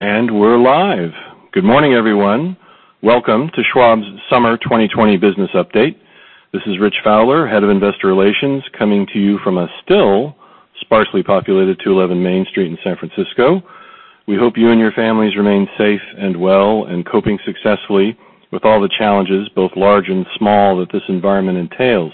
We're live. Good morning, everyone. Welcome to Schwab's Summer 2020 Business Update. This is Rich Fowler, Head of Investor Relations, coming to you from a still sparsely populated 211 Main Street in San Francisco. We hope you and your families remain safe and well and coping successfully with all the challenges, both large and small, that this environment entails.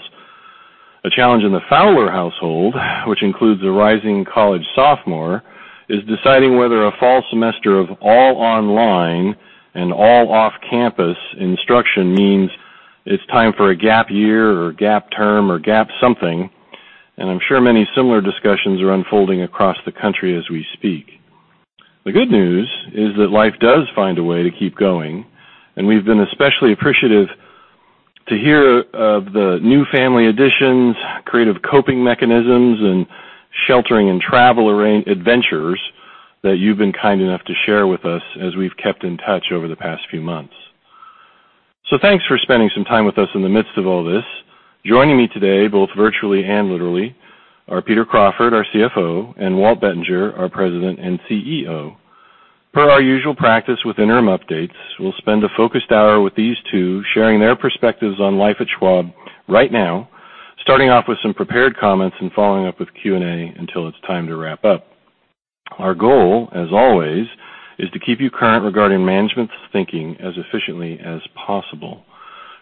A challenge in the Fowler household, which includes a rising college sophomore, is deciding whether a fall semester of all online and all off-campus instruction means it's time for a gap year or gap term or gap something, and I'm sure many similar discussions are unfolding across the country as we speak. The good news is that life does find a way to keep going, and we've been especially appreciative to hear of the new family additions, creative coping mechanisms, and sheltering and travel adventures that you've been kind enough to share with us as we've kept in touch over the past few months. Thanks for spending some time with us in the midst of all this. Joining me today, both virtually and literally, are Peter Crawford, our CFO, and Walt Bettinger, our President and CEO. Per our usual practice with interim updates, we'll spend a focused hour with these two, sharing their perspectives on life at Schwab right now, starting off with some prepared comments and following up with Q&A until it's time to wrap up. Our goal, as always, is to keep you current regarding management's thinking as efficiently as possible.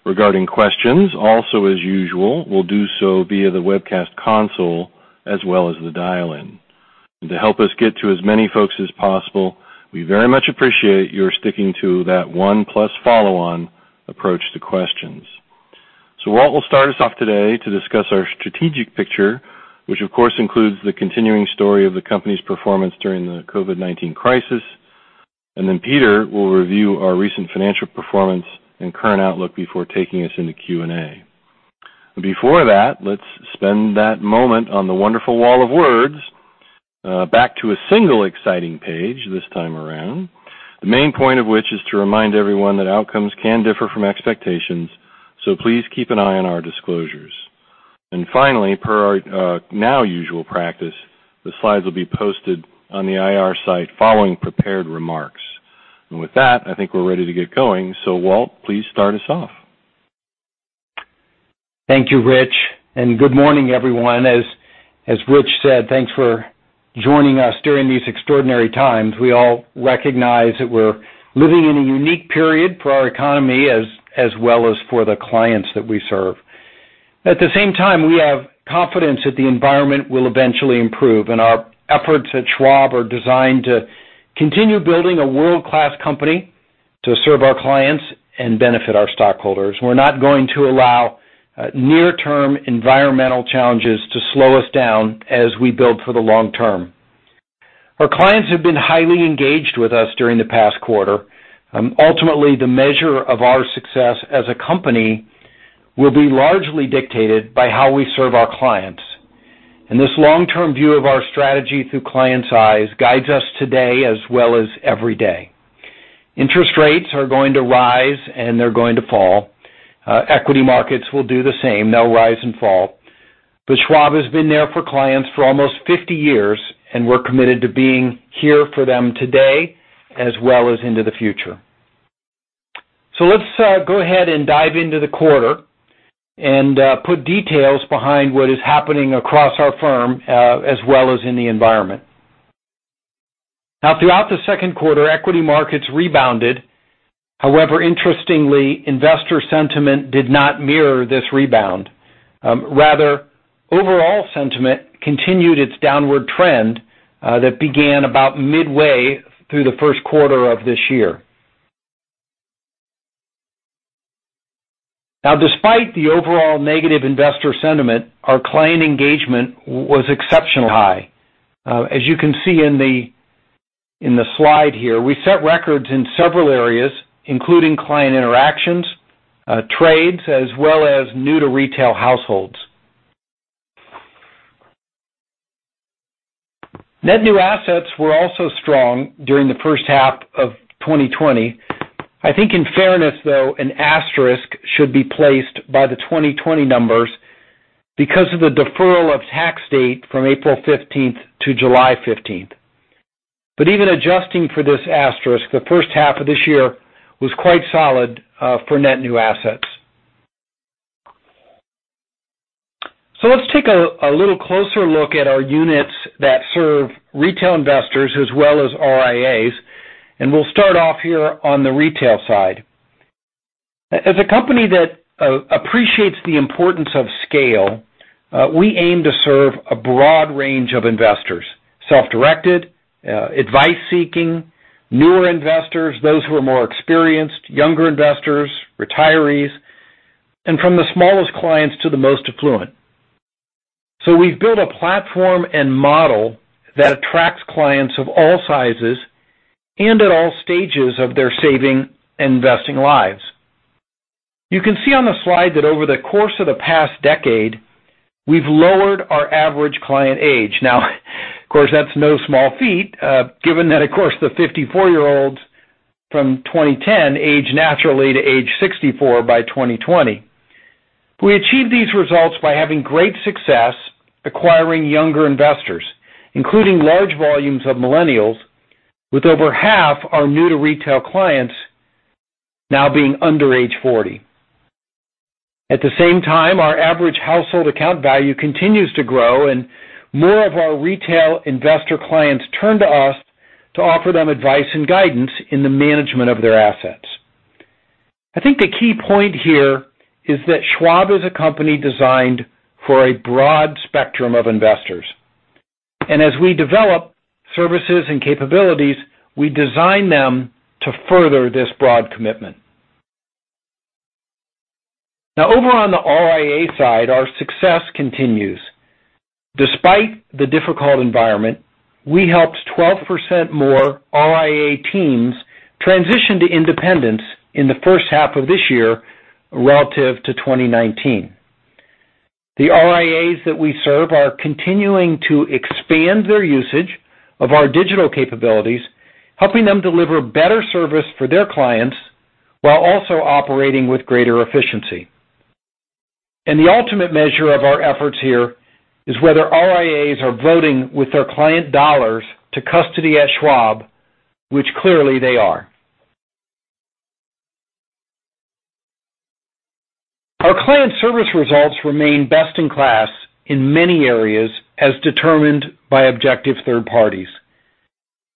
Regarding questions, also as usual, we'll do so via the webcast console as well as the dial-in. To help us get to as many folks as possible, we very much appreciate your sticking to that one-plus follow-on approach to questions. Walt will start us off today to discuss our strategic picture, which, of course, includes the continuing story of the company's performance during the COVID-19 crisis. Peter will review our recent financial performance and current outlook before taking us into Q&A. Before that, let's spend that moment on the wonderful wall of words, back to a single exciting page this time around, the main point of which is to remind everyone that outcomes can differ from expectations, so please keep an eye on our disclosures. Finally, per our now usual practice, the slides will be posted on the IR site following prepared remarks. With that, I think we're ready to get going. Walt, please start us off. Thank you, Rich, and good morning, everyone. As Rich said, thanks for joining us during these extraordinary times. We all recognize that we're living in a unique period for our economy as well as for the clients that we serve. At the same time, we have confidence that the environment will eventually improve, and our efforts at Schwab are designed to continue building a world-class company to serve our clients and benefit our stockholders. We're not going to allow near-term environmental challenges to slow us down as we build for the long term. Our clients have been highly engaged with us during the past quarter. Ultimately, the measure of our success as a company will be largely dictated by how we serve our clients. This long-term view of our strategy through clients' eyes guides us today as well as every day. Interest rates are going to rise, and they're going to fall. Equity markets will do the same. They'll rise and fall. Schwab has been there for clients for almost 50 years, and we're committed to being here for them today as well as into the future. Let's go ahead and dive into the quarter and put details behind what is happening across our firm as well as in the environment. Throughout the second quarter, equity markets rebounded. However, interestingly, investor sentiment did not mirror this rebound. Rather, overall sentiment continued its downward trend that began about midway through the first quarter of this year. Despite the overall negative investor sentiment, our client engagement was exceptionally high. As you can see in the slide here, we set records in several areas, including client interactions, trades, as well as new-to-retail households. Net new assets were also strong during the first half of 2020. I think in fairness, though, an asterisk should be placed by the 2020 numbers because of the deferral of tax date from April 15th to July 15th. Even adjusting for this asterisk, the first half of this year was quite solid for net new assets. Let's take a little closer look at our units that serve retail investors as well as RIAs, and we'll start off here on the retail side. As a company that appreciates the importance of scale, we aim to serve a broad range of investors, self-directed, advice-seeking, newer investors, those who are more experienced, younger investors, retirees, and from the smallest clients to the most affluent. We've built a platform and model that attracts clients of all sizes and at all stages of their saving and investing lives. You can see on the slide that over the course of the past decade, we've lowered our average client age. Now, of course, that's no small feat, given that, of course, the 54-year-olds from 2010 age naturally to age 64 by 2020. We achieved these results by having great success acquiring younger investors, including large volumes of millennials, with over half our new-to-retail clients now being under age 40. At the same time, our average household account value continues to grow, and more of our retail investor clients turn to us to offer them advice and guidance in the management of their assets. I think the key point here is that Schwab is a company designed for a broad spectrum of investors, and as we develop services and capabilities, we design them to further this broad commitment. Now, over on the RIA side, our success continues. Despite the difficult environment, we helped 12% more RIA teams transition to independence in the first half of this year relative to 2019. The RIAs that we serve are continuing to expand their usage of our digital capabilities, helping them deliver better service for their clients while also operating with greater efficiency. The ultimate measure of our efforts here is whether RIAs are voting with their client dollars to custody at Schwab, which clearly they are. Our client service results remain best in class in many areas, as determined by objective third parties.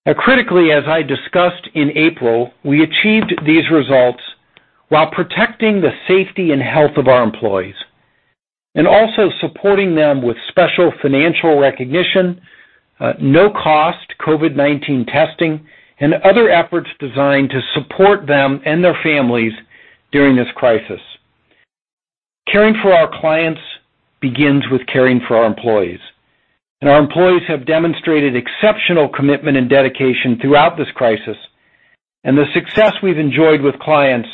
Now critically, as I discussed in April, we achieved these results while protecting the safety and health of our employees and also supporting them with special financial recognition, no-cost COVID-19 testing, and other efforts designed to support them and their families during this crisis. Caring for our clients begins with caring for our employees, and our employees have demonstrated exceptional commitment and dedication throughout this crisis, and the success we've enjoyed with clients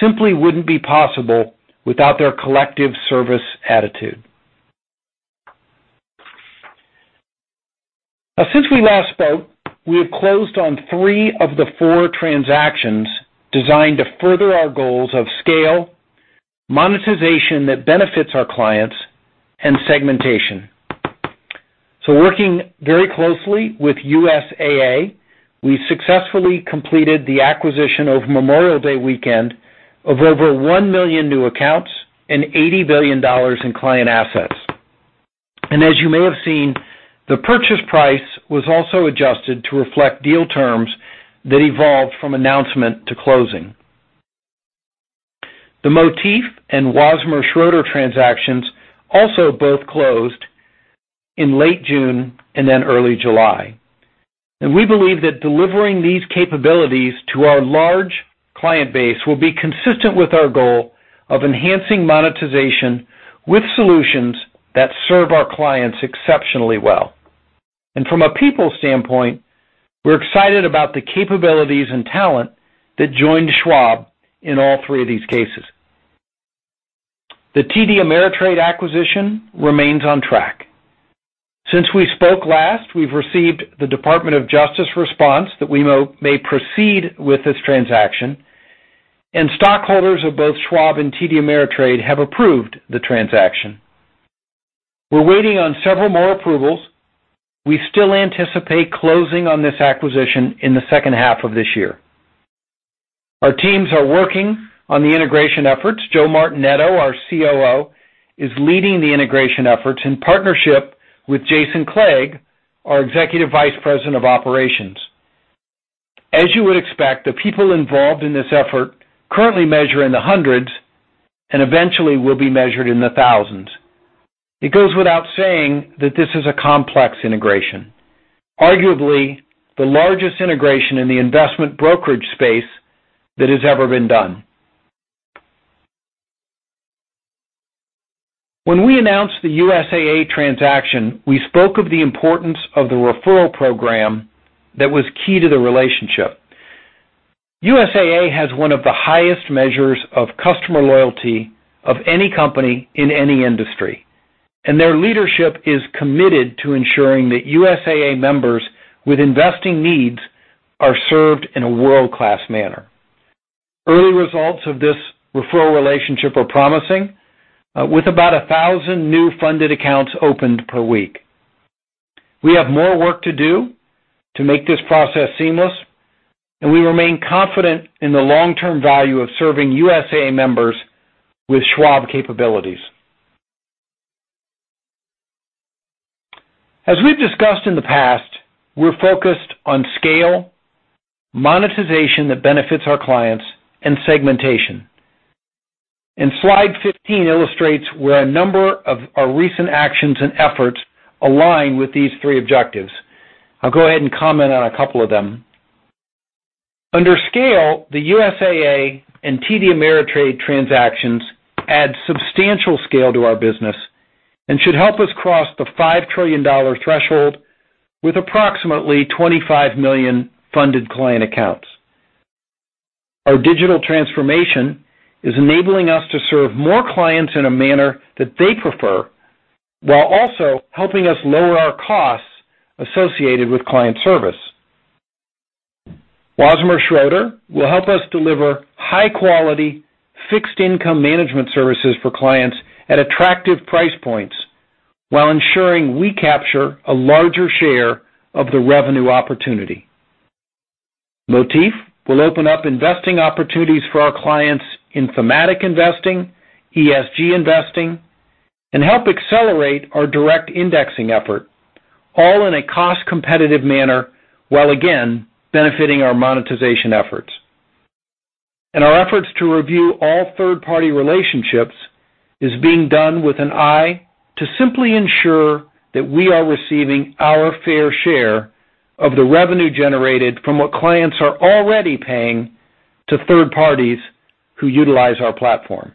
simply wouldn't be possible without their collective service attitude. Since we last spoke, we have closed on three of the four transactions designed to further our goals of scale, monetization that benefits our clients, and segmentation. Working very closely with USAA, we successfully completed the acquisition over Memorial Day weekend of over 1 million new accounts and $80 billion in client assets. As you may have seen, the purchase price was also adjusted to reflect deal terms that evolved from announcement to closing. The Motif and Wasmer Schroeder transactions also both closed in late June and then early July. We believe that delivering these capabilities to our large client base will be consistent with our goal of enhancing monetization with solutions that serve our clients exceptionally well. From a people standpoint, we're excited about the capabilities and talent that joined Schwab in all three of these cases. The TD Ameritrade acquisition remains on track. Since we spoke last, we've received the Department of Justice response that we may proceed with this transaction, and stockholders of both Schwab and TD Ameritrade have approved the transaction. We're waiting on several more approvals. We still anticipate closing on this acquisition in the second half of this year. Our teams are working on the integration efforts. Joe Martinetto, our COO, is leading the integration efforts in partnership with Jason Kleber, our Executive Vice President of Operations. As you would expect, the people involved in this effort currently measure in the hundreds and eventually will be measured in the thousands. It goes without saying that this is a complex integration, arguably the largest integration in the investment brokerage space that has ever been done. When we announced the USAA transaction, we spoke of the importance of the referral program that was key to the relationship. USAA has one of the highest measures of customer loyalty of any company in any industry, and their leadership is committed to ensuring that USAA members with investing needs are served in a world-class manner. Early results of this referral relationship are promising, with about 1,000 new funded accounts opened per week. We have more work to do to make this process seamless, and we remain confident in the long-term value of serving USAA members with Schwab capabilities. As we've discussed in the past, we're focused on scale, monetization that benefits our clients, and segmentation. Slide 15 illustrates where a number of our recent actions and efforts align with these three objectives. I'll go ahead and comment on a couple of them. Under scale, the USAA and TD Ameritrade transactions add substantial scale to our business and should help us cross the $5 trillion threshold with approximately 25 million funded client accounts. Our digital transformation is enabling us to serve more clients in a manner that they prefer, while also helping us lower our costs associated with client service. Wasmer Schroeder will help us deliver high-quality fixed income management services for clients at attractive price points while ensuring we capture a larger share of the revenue opportunity. Motif will open up investing opportunities for our clients in thematic investing, ESG investing, and help accelerate our direct indexing effort, all in a cost-competitive manner while again benefiting our monetization efforts. Our efforts to review all third-party relationships is being done with an eye to simply ensure that we are receiving our fair share of the revenue generated from what clients are already paying to third parties who utilize our platform.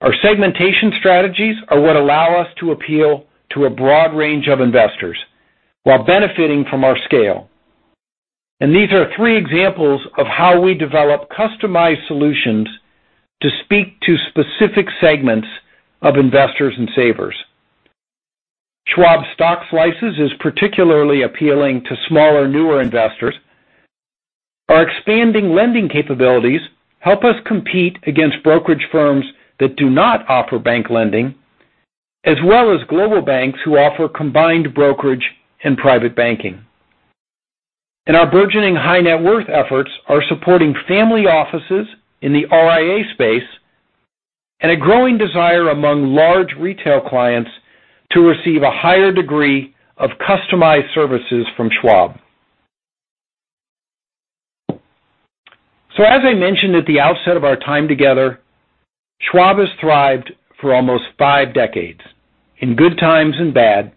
Our segmentation strategies are what allow us to appeal to a broad range of investors while benefiting from our scale. These are three examples of how we develop customized solutions to speak to specific segments of investors and savers. Schwab Stock Slices is particularly appealing to smaller, newer investors. Our expanding lending capabilities help us compete against brokerage firms that do not offer bank lending, as well as global banks who offer combined brokerage and private banking. Our burgeoning high-net-worth efforts are supporting family offices in the RIA space and a growing desire among large retail clients to receive a higher degree of customized services from Schwab. As I mentioned at the outset of our time together, Schwab has thrived for almost five decades, in good times and bad,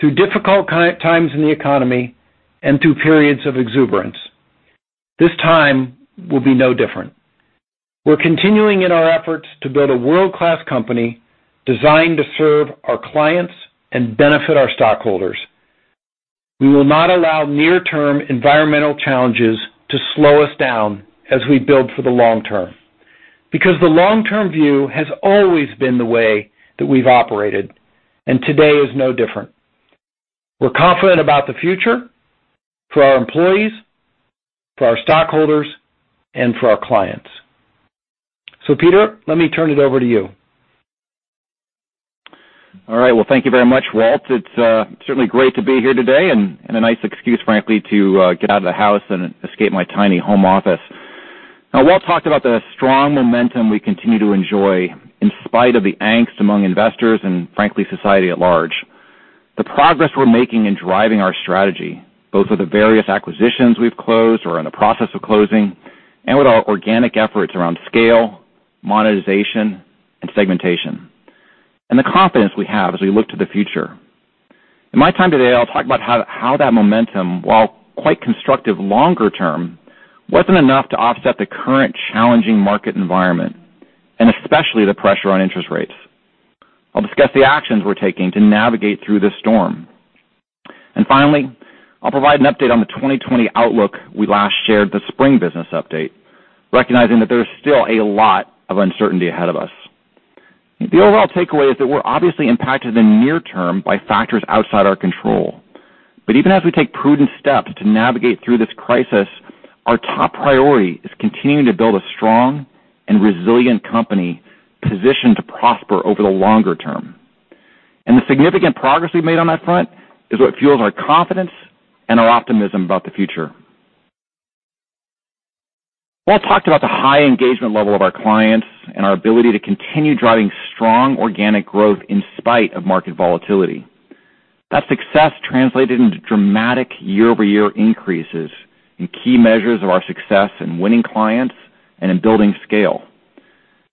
through difficult times in the economy and through periods of exuberance. This time will be no different. We're continuing in our efforts to build a world-class company designed to serve our clients and benefit our stockholders. We will not allow near-term environmental challenges to slow us down as we build for the long term, because the long-term view has always been the way that we've operated, and today is no different. We're confident about the future for our employees, for our stockholders, and for our clients. Peter, let me turn it over to you. All right. Well, thank you very much, Walt. It's certainly great to be here today and a nice excuse, frankly, to get out of the house and escape my tiny home office. Now, Walt talked about the strong momentum we continue to enjoy in spite of the angst among investors and frankly, society at large. The progress we're making in driving our strategy, both with the various acquisitions we've closed or are in the process of closing, and with our organic efforts around scale, monetization, and segmentation, and the confidence we have as we look to the future. In my time today, I'll talk about how that momentum, while quite constructive longer term, wasn't enough to offset the current challenging market environment, and especially the pressure on interest rates. I'll discuss the actions we're taking to navigate through this storm. Finally, I'll provide an update on the 2020 outlook we last shared the spring business update, recognizing that there's still a lot of uncertainty ahead of us. The overall takeaway is that we're obviously impacted in the near term by factors outside our control. Even as we take prudent steps to navigate through this crisis, our top priority is continuing to build a strong and resilient company positioned to prosper over the longer term. The significant progress we've made on that front is what fuels our confidence and our optimism about the future. Walt talked about the high engagement level of our clients and our ability to continue driving strong organic growth in spite of market volatility. That success translated into dramatic year-over-year increases in key measures of our success in winning clients and in building scale.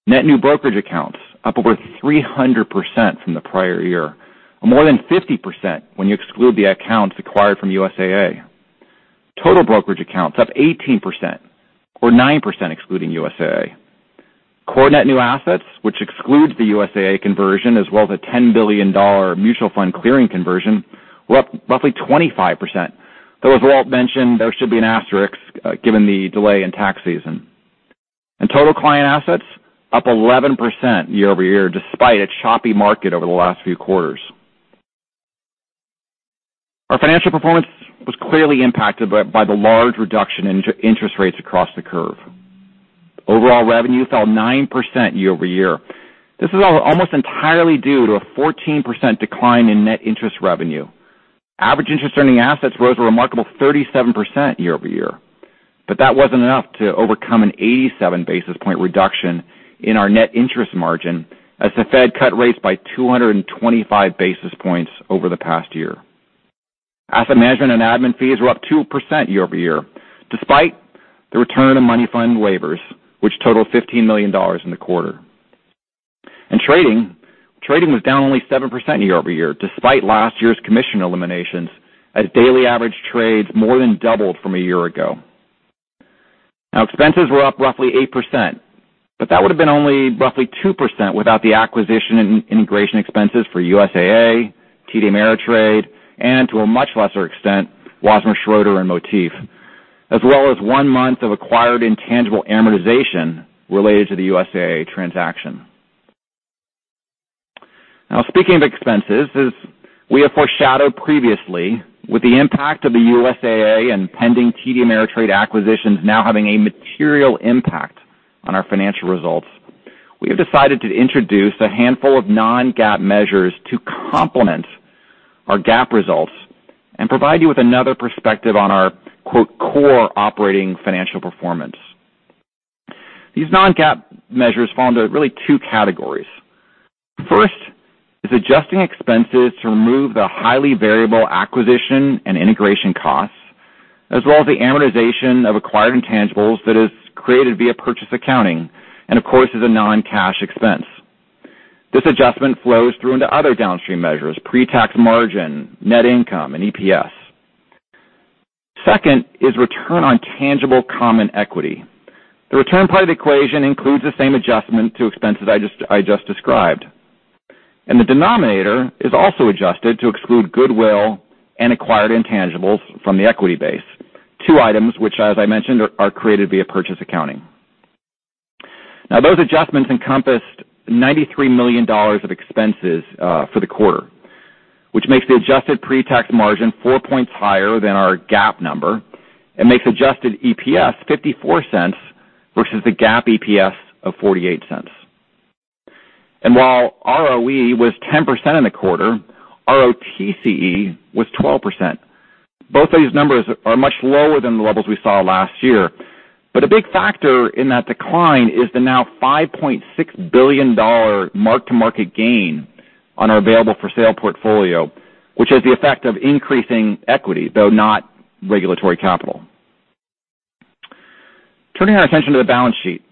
Net new brokerage accounts up over 300% from the prior year, or more than 50% when you exclude the accounts acquired from USAA. Total brokerage accounts up 18%, or 9% excluding USAA. Core net new assets, which excludes the USAA conversion as well as a $10 billion mutual fund clearing conversion, were up roughly 25%. As Walt mentioned, there should be an asterisk given the delay in tax season. Total client assets up 11% year-over-year, despite a choppy market over the last few quarters. Our financial performance was clearly impacted by the large reduction in interest rates across the curve. Overall revenue fell 9% year-over-year. This is almost entirely due to a 14% decline in net interest revenue. Average interest earning assets rose a remarkable 37% year-over-year, but that wasn't enough to overcome an 87 basis point reduction in our net interest margin as the Fed cut rates by 225 basis points over the past year. Asset management and admin fees were up 2% year-over-year, despite the return of money fund waivers, which totaled $15 million in the quarter. Trading was down only 7% year-over-year, despite last year's commission eliminations, as daily average trades more than doubled from a year ago. Expenses were up roughly 8%, but that would have been only roughly 2% without the acquisition and integration expenses for USAA, TD Ameritrade, and to a much lesser extent, Wasmer Schroeder and Motif, as well as one month of acquired intangible amortization related to the USAA transaction. Speaking of expenses, as we have foreshadowed previously, with the impact of the USAA and pending TD Ameritrade acquisitions now having a material impact on our financial results, we have decided to introduce a handful of non-GAAP measures to complement our GAAP results and provide you with another perspective on our, quote, "core operating financial performance." These non-GAAP measures fall under really two categories. First is adjusting expenses to remove the highly variable acquisition and integration costs, as well as the amortization of acquired intangibles that is created via purchase accounting and, of course, is a non-cash expense. This adjustment flows through into other downstream measures, pre-tax margin, net income, and EPS. Second is return on tangible common equity. The return part of the equation includes the same adjustment to expenses I just described and the denominator is also adjusted to exclude goodwill and acquired intangibles from the equity base. Two items which, as I mentioned, are created via purchase accounting. Those adjustments encompassed $93 million of expenses for the quarter which makes the adjusted pre-tax margin 4 points higher than our GAAP number and makes adjusted EPS $0.54 versus the GAAP EPS of $0.48. While ROE was 10% in the quarter, ROTCE was 12%. Both of these numbers are much lower than the levels we saw last year. A big factor in that decline is the now $5.6 billion mark-to-market gain on our available-for-sale portfolio, which has the effect of increasing equity, though not regulatory capital. Turning our attention to the balance sheet.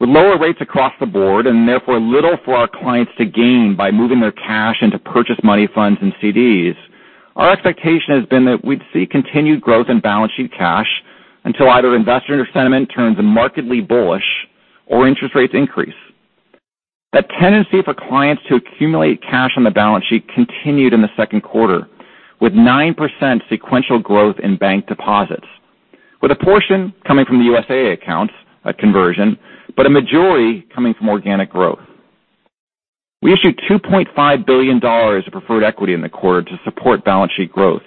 With lower rates across the board and therefore little for our clients to gain by moving their cash into purchase money funds and CDs, our expectation has been that we'd see continued growth in balance sheet cash until either investor sentiment turns markedly bullish or interest rates increase. That tendency for clients to accumulate cash on the balance sheet continued in the second quarter with 9% sequential growth in bank deposits. With a portion coming from the USAA accounts at conversion, but a majority coming from organic growth. We issued $2.5 billion of preferred equity in the quarter to support balance sheet growth.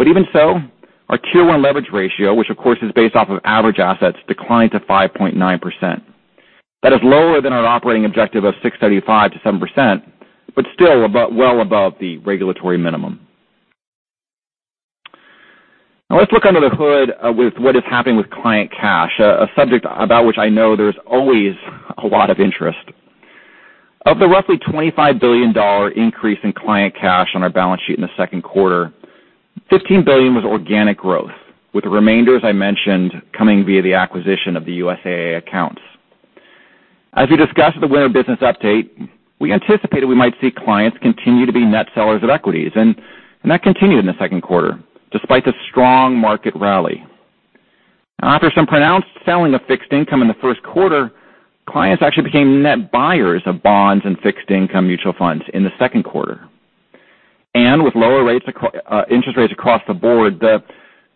Even so, our Tier 1 leverage ratio, which of course is based off of average assets, declined to 5.9%. That is lower than our operating objective of 6.75%-7%, but still well above the regulatory minimum. Let's look under the hood with what is happening with client cash, a subject about which I know there's always a lot of interest. Of the roughly $25 billion increase in client cash on our balance sheet in the second quarter, $15 billion was organic growth, with the remainder, as I mentioned, coming via the acquisition of the USAA accounts. As we discussed at the winter business update, we anticipated we might see clients continue to be net sellers of equities and that continued in the second quarter despite the strong market rally. After some pronounced selling of fixed income in the first quarter, clients actually became net buyers of bonds and fixed income mutual funds in the second quarter. With lower interest rates across the board, the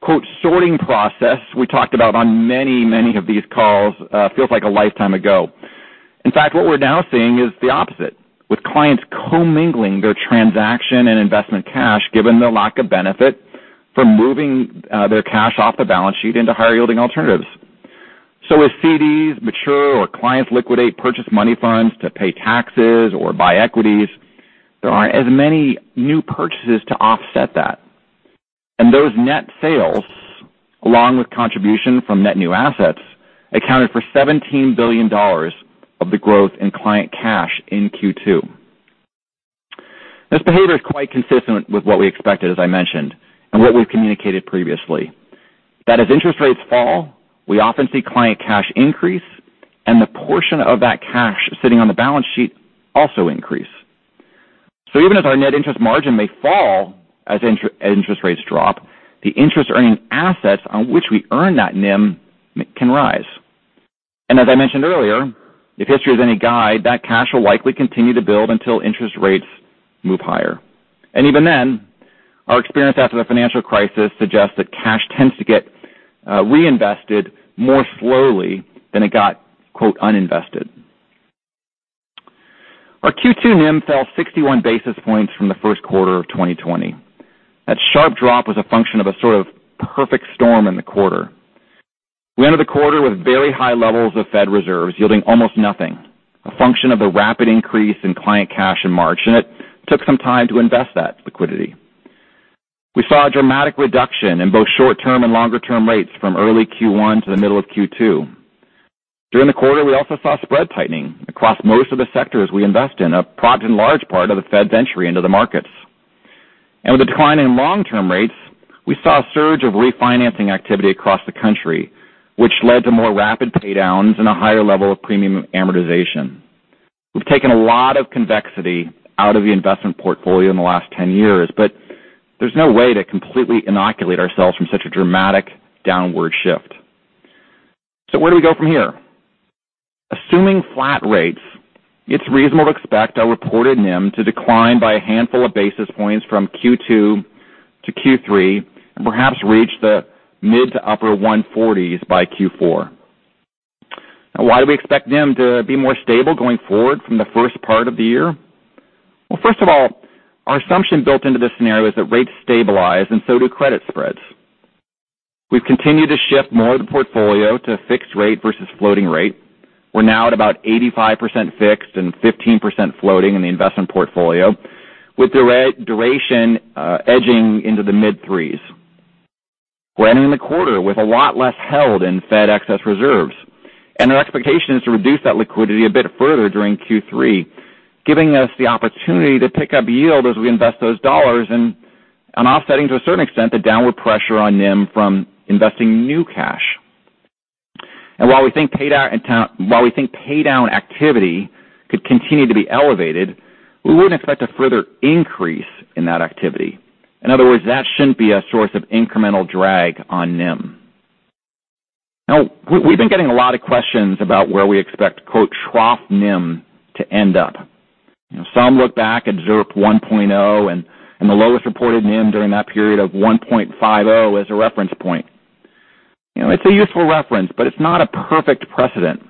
quote "sorting process" we talked about on many of these calls feels like a lifetime ago. In fact, what we're now seeing is the opposite with clients co-mingling their transaction and investment cash given the lack of benefit from moving their cash off the balance sheet into higher yielding alternatives. As CDs mature or clients liquidate purchase money funds to pay taxes or buy equities, there aren't as many new purchases to offset that. Those net sales, along with contribution from net new assets, accounted for $17 billion of the growth in client cash in Q2. This behavior is quite consistent with what we expected, as I mentioned, and what we've communicated previously. As interest rates fall, we often see client cash increase and the portion of that cash sitting on the balance sheet also increase. Even as our net interest margin may fall as interest rates drop, the interest earning assets on which we earn that NIM can rise. As I mentioned earlier, if history is any guide, that cash will likely continue to build until interest rates move higher. Even then, our experience after the financial crisis suggests that cash tends to get reinvested more slowly than it got, quote, "uninvested." Our Q2 NIM fell 61 basis points from the first quarter of 2020. That sharp drop was a function of a sort of perfect storm in the quarter. We entered the quarter with very high levels of Fed reserves yielding almost nothing, a function of the rapid increase in client cash in March. It took some time to invest that liquidity. We saw a dramatic reduction in both short-term and longer-term rates from early Q1 to the middle of Q2. During the quarter, we also saw spread tightening across most of the sectors we invest in, a product in large part of the Fed's entry into the markets. With the decline in long-term rates, we saw a surge of refinancing activity across the country which led to more rapid paydowns and a higher level of premium amortization. We've taken a lot of convexity out of the investment portfolio in the last 10 years, but there's no way to completely inoculate ourselves from such a dramatic downward shift. Where do we go from here? Assuming flat rates, it's reasonable to expect our reported NIM to decline by a handful of basis points from Q2 to Q3 and perhaps reach the mid to upper 140s by Q4. Why do we expect NIM to be more stable going forward from the first part of the year? First of all, our assumption built into this scenario is that rates stabilize and so do credit spreads. We've continued to shift more of the portfolio to fixed rate versus floating rate. We're now at about 85% fixed and 15% floating in the investment portfolio, with duration edging into the mid-3s. We're ending the quarter with a lot less held in Fed excess reserves, our expectation is to reduce that liquidity a bit further during Q3, giving us the opportunity to pick up yield as we invest those $ and offsetting to a certain extent the downward pressure on NIM from investing new cash. While we think paydown activity could continue to be elevated, we wouldn't expect a further increase in that activity. In other words, that shouldn't be a source of incremental drag on NIM. Now, we've been getting a lot of questions about where we expect, quote, "trough NIM to end up." Some look back at ZIRP 1.0 and the lowest reported NIM during that period of 1.50% as a reference point. It's a useful reference, it's not a perfect precedent.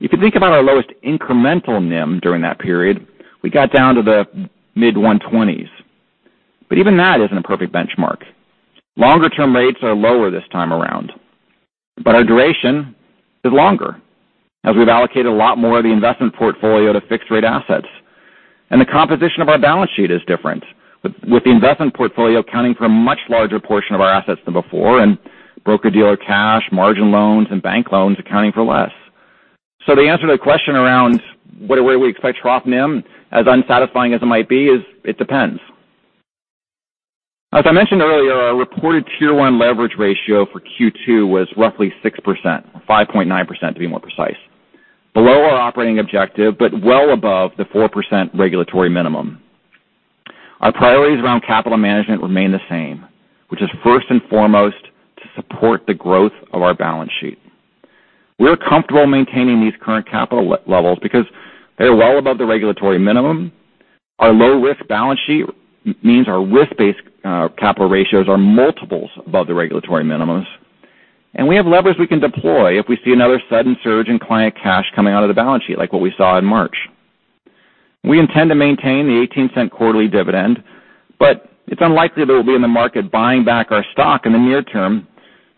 If you think about our lowest incremental NIM during that period, we got down to the mid-120s, even that isn't a perfect benchmark. Longer-term rates are lower this time around, our duration is longer, as we've allocated a lot more of the investment portfolio to fixed rate assets. The composition of our balance sheet is different, with the investment portfolio accounting for a much larger portion of our assets than before, and broker-dealer cash, margin loans, and bank loans accounting for less. The answer to the question around where we expect trough NIM, as unsatisfying as it might be, is it depends. As I mentioned earlier, our reported Tier 1 leverage ratio for Q2 was roughly 6%, or 5.9% to be more precise. Below our operating objective, well above the 4% regulatory minimum. Our priorities around capital management remain the same, which is first and foremost to support the growth of our balance sheet. We're comfortable maintaining these current capital levels because they are well above the regulatory minimum. Our low-risk balance sheet means our risk-based capital ratios are multiples above the regulatory minimums. We have levers we can deploy if we see another sudden surge in client cash coming out of the balance sheet, like what we saw in March. We intend to maintain the $0.18 quarterly dividend, but it's unlikely that we'll be in the market buying back our stock in the near term.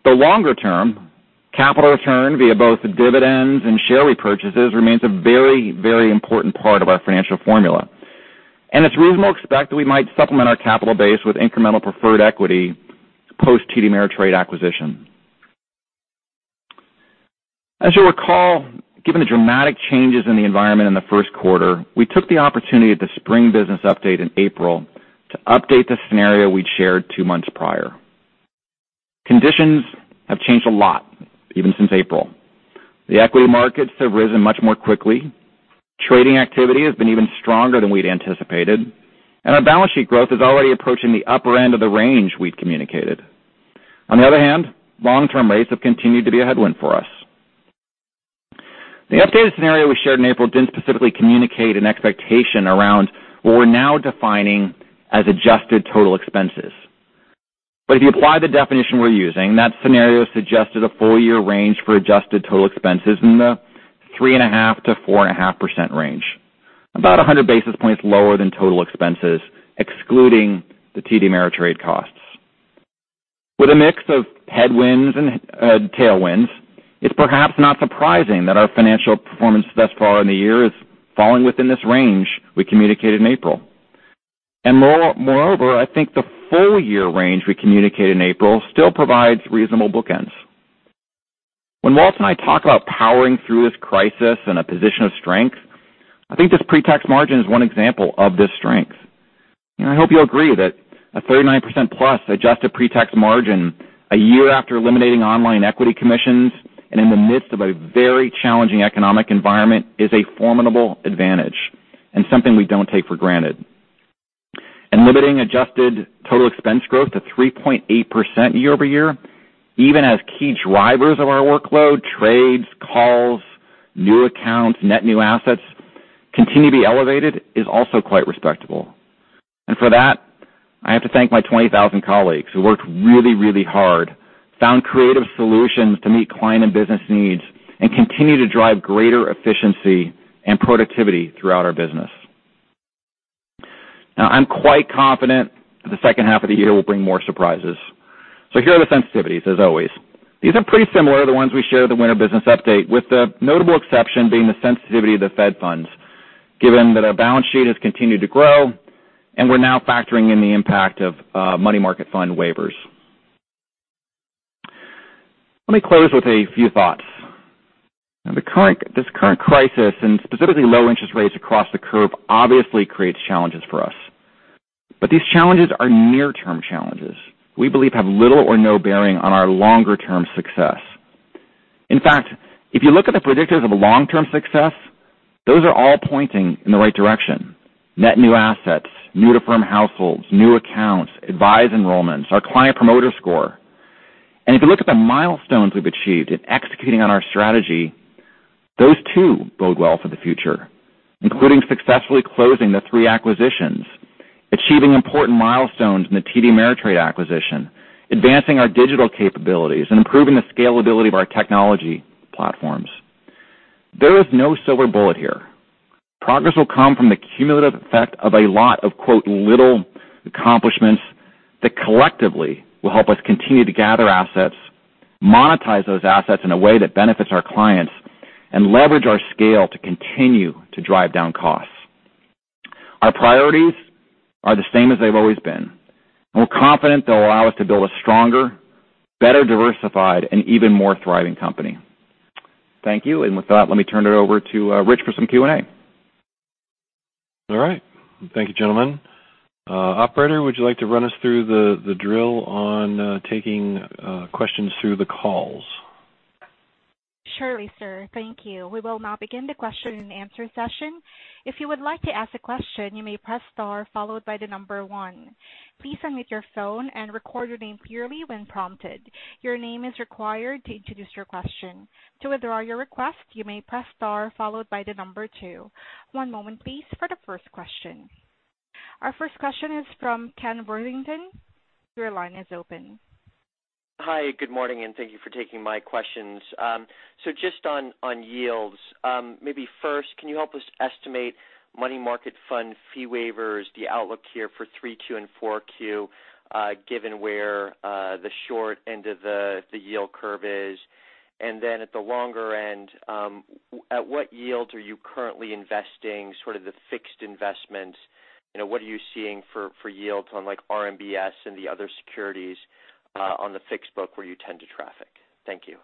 The longer term, capital return via both dividends and share repurchases remains a very important part of our financial formula. It's reasonable to expect that we might supplement our capital base with incremental preferred equity post TD Ameritrade acquisition. As you'll recall, given the dramatic changes in the environment in the first quarter, we took the opportunity at the spring business update in April to update the scenario we'd shared two months prior. Conditions have changed a lot, even since April. The equity markets have risen much more quickly, trading activity has been even stronger than we'd anticipated, and our balance sheet growth is already approaching the upper end of the range we'd communicated. On the other hand, long-term rates have continued to be a headwind for us. The updated scenario we shared in April didn't specifically communicate an expectation around what we're now defining as adjusted total expenses. If you apply the definition we're using, that scenario suggested a full-year range for adjusted total expenses in the 3.5%-4.5% range, about 100 basis points lower than total expenses, excluding the TD Ameritrade costs. With a mix of headwinds and tailwinds, it's perhaps not surprising that our financial performance thus far in the year is falling within this range we communicated in April. Moreover, I think the full-year range we communicated in April still provides reasonable bookends. When Walt and I talk about powering through this crisis in a position of strength, I think this pre-tax margin is one example of this strength. I hope you'll agree that a 39%-plus adjusted pre-tax margin a year after eliminating online equity commissions and in the midst of a very challenging economic environment is a formidable advantage and something we don't take for granted. Limiting adjusted total expense growth to 3.8% year-over-year, even as key drivers of our workload, trades, calls, new accounts, net new assets, continue to be elevated, is also quite respectable. For that, I have to thank my 20,000 colleagues who worked really, really hard, found creative solutions to meet client and business needs, and continue to drive greater efficiency and productivity throughout our business. Now I'm quite confident that the second half of the year will bring more surprises. Here are the sensitivities, as always. These are pretty similar to the ones we showed at the winter business update, with the notable exception being the sensitivity of the Fed funds, given that our balance sheet has continued to grow, and we're now factoring in the impact of money market fund waivers. Let me close with a few thoughts. This current crisis, and specifically low interest rates across the curve, obviously creates challenges for us. These challenges are near-term challenges we believe have little or no bearing on our longer-term success. In fact, if you look at the predictors of long-term success, those are all pointing in the right direction. net new assets, new-to-firm households, new accounts, advice enrollments, our Client Promoter Score. If you look at the milestones we've achieved in executing on our strategy. Those too bode well for the future, including successfully closing the three acquisitions, achieving important milestones in the TD Ameritrade acquisition, advancing our digital capabilities, and improving the scalability of our technology platforms. There is no silver bullet here. Progress will come from the cumulative effect of a lot of, quote, "little accomplishments" that collectively will help us continue to gather assets, monetize those assets in a way that benefits our clients, and leverage our scale to continue to drive down costs. Our priorities are the same as they've always been, and we're confident they'll allow us to build a stronger, better diversified, and even more thriving company. Thank you. With that, let me turn it over to Rich for some Q&A. All right. Thank you, gentlemen. Operator, would you like to run us through the drill on taking questions through the calls? Surely, sir. Thank you. We will now begin the question and answer session. If you would like to ask a question, you may press star followed by the number one. Please unmute your phone and record your name clearly when prompted. Your name is required to introduce your question. To withdraw your request, you may press star followed by the number two. One moment please for the first question. Our first question is from Ken Worthington. Your line is open. Hi, good morning, and thank you for taking my questions. Just on yields. Maybe first, can you help us estimate money market fund fee waivers, the outlook here for 3Q and 4Q, given where the short end of the yield curve is? At the longer end, at what yields are you currently investing sort of the fixed investments? What are you seeing for yields on RMBS and the other securities on the fixed book where you tend to traffic? Thank you.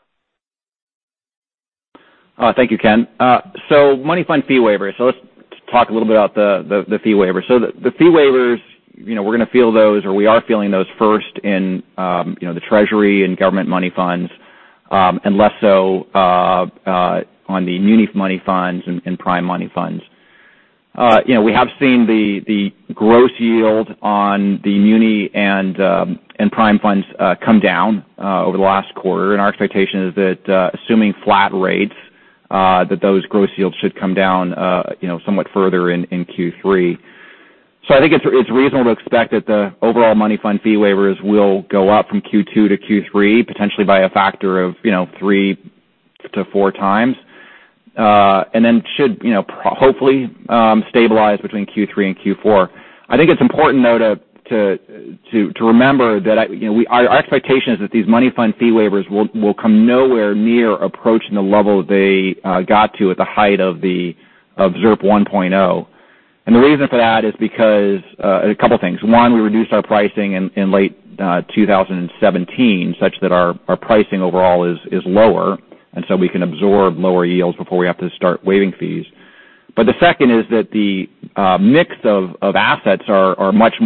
Thank you, Ken. Money fund fee waivers. Let's talk a little bit about the fee waivers. The fee waivers, we're going to feel those, or we are feeling those first in the Treasury and government money funds, and less so on the muni money funds and prime money funds. We have seen the gross yield on the muni and prime funds come down over the last quarter, and our expectation is that assuming flat rates, that those gross yields should come down somewhat further in Q3. I think it's reasonable to expect that the overall money fund fee waivers will go up from Q2 to Q3, potentially by a factor of three to four times. Should hopefully stabilize between Q3 and Q4. I think it's important, though, to remember that our expectation is that these money fund fee waivers will come nowhere near approaching the level they got to at the height of ZIRP 1.0. The reason for that is because a couple things. One, we reduced our pricing in late 2017 such that our pricing overall is lower, and so we can absorb lower yields before we have to start waiving fees. The second is that the mix of assets. Back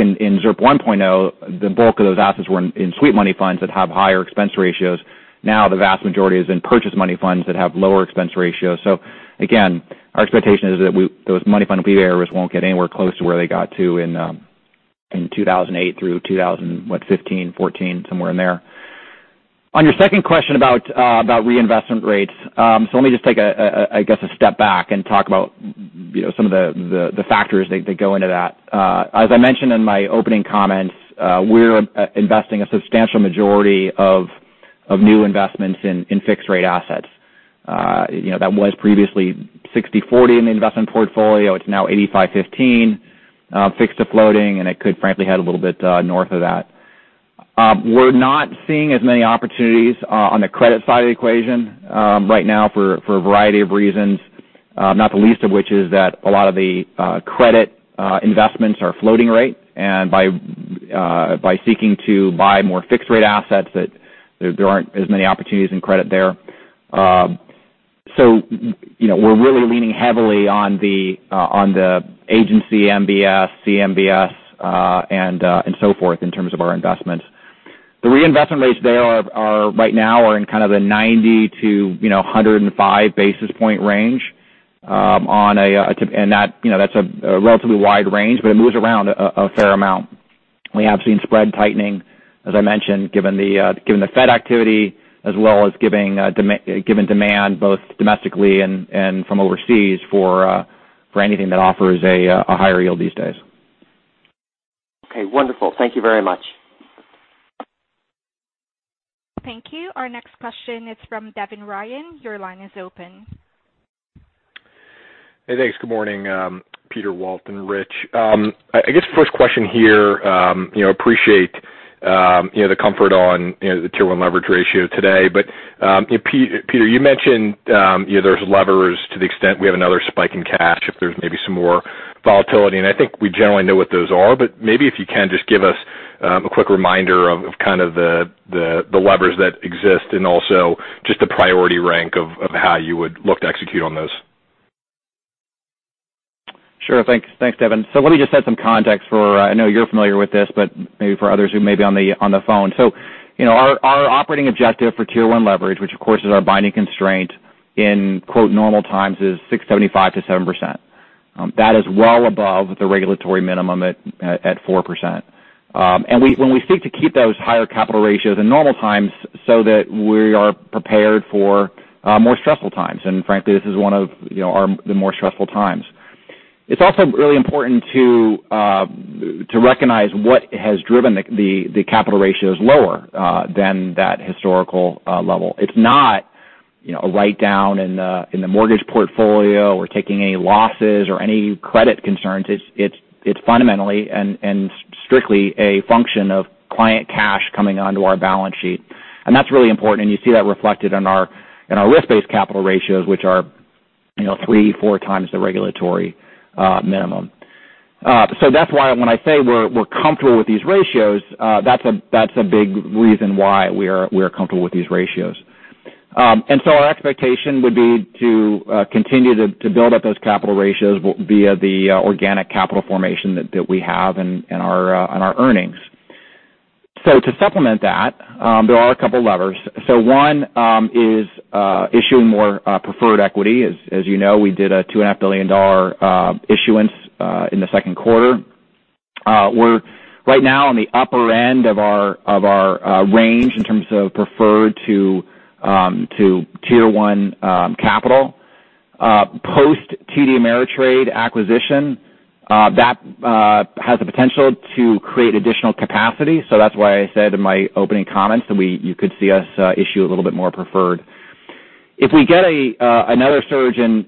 in ZIRP 1.0, the bulk of those assets were in sweep money funds that have higher expense ratios. Now the vast majority is in purchase money funds that have lower expense ratios. Again, our expectation is that those money fund fee waivers won't get anywhere close to where they got to in 2008 through 2015, 2014, somewhere in there. On your second question about reinvestment rates. Let me just take a step back and talk about some of the factors that go into that. As I mentioned in my opening comments, we're investing a substantial majority of new investments in fixed rate assets. That was previously 60/40 in the investment portfolio. It's now 85/15 fixed to floating, and it could frankly head a little bit north of that. We're not seeing as many opportunities on the credit side of the equation right now for a variety of reasons, not the least of which is that a lot of the credit investments are floating rate, and by seeking to buy more fixed rate assets that there aren't as many opportunities in credit there. We're really leaning heavily on the agency MBS, CMBS, and so forth in terms of our investments. The reinvestment rates there are right now are in kind of the 90 to 105 basis point range. That's a relatively wide range, but it moves around a fair amount. We have seen spread tightening, as I mentioned, given the Fed activity, as well as given demand both domestically and from overseas for anything that offers a higher yield these days. Okay, wonderful. Thank you very much. Thank you. Our next question is from Devin Ryan. Your line is open. Hey, thanks. Good morning. Peter, Walt, and Rich. I guess first question here, appreciate the comfort on the Tier 1 leverage ratio today. Peter, you mentioned there's levers to the extent we have another spike in cash if there's maybe some more volatility, and I think we generally know what those are, but maybe if you can just give us a quick reminder of kind of the levers that exist and also just the priority rank of how you would look to execute on those. Sure. Thanks, Devin. Let me just set some context for, I know you're familiar with this, but maybe for others who may be on the phone. Our operating objective for Tier 1 leverage, which of course is our binding constraint in "normal times" is 6.75%-7%. That is well above the regulatory minimum at 4%. When we seek to keep those higher capital ratios in normal times, so that we are prepared for more stressful times. Frankly, this is one of the more stressful times. It's also really important to recognize what has driven the capital ratios lower than that historical level. It's not a write-down in the mortgage portfolio or taking any losses or any credit concerns. It's fundamentally and strictly a function of client cash coming onto our balance sheet, and that's really important, and you see that reflected in our risk-based capital ratios, which are three, four times the regulatory minimum. That's why when I say we're comfortable with these ratios, that's a big reason why we are comfortable with these ratios. Our expectation would be to continue to build up those capital ratios via the organic capital formation that we have in our earnings. To supplement that, there are a couple of levers. One is issuing more preferred equity. As you know, we did a $2.5 billion issuance in the second quarter. We're right now on the upper end of our range in terms of preferred to Tier 1 capital. Post TD Ameritrade acquisition, that has the potential to create additional capacity. That's why I said in my opening comments that you could see us issue a little bit more preferred. If we get another surge in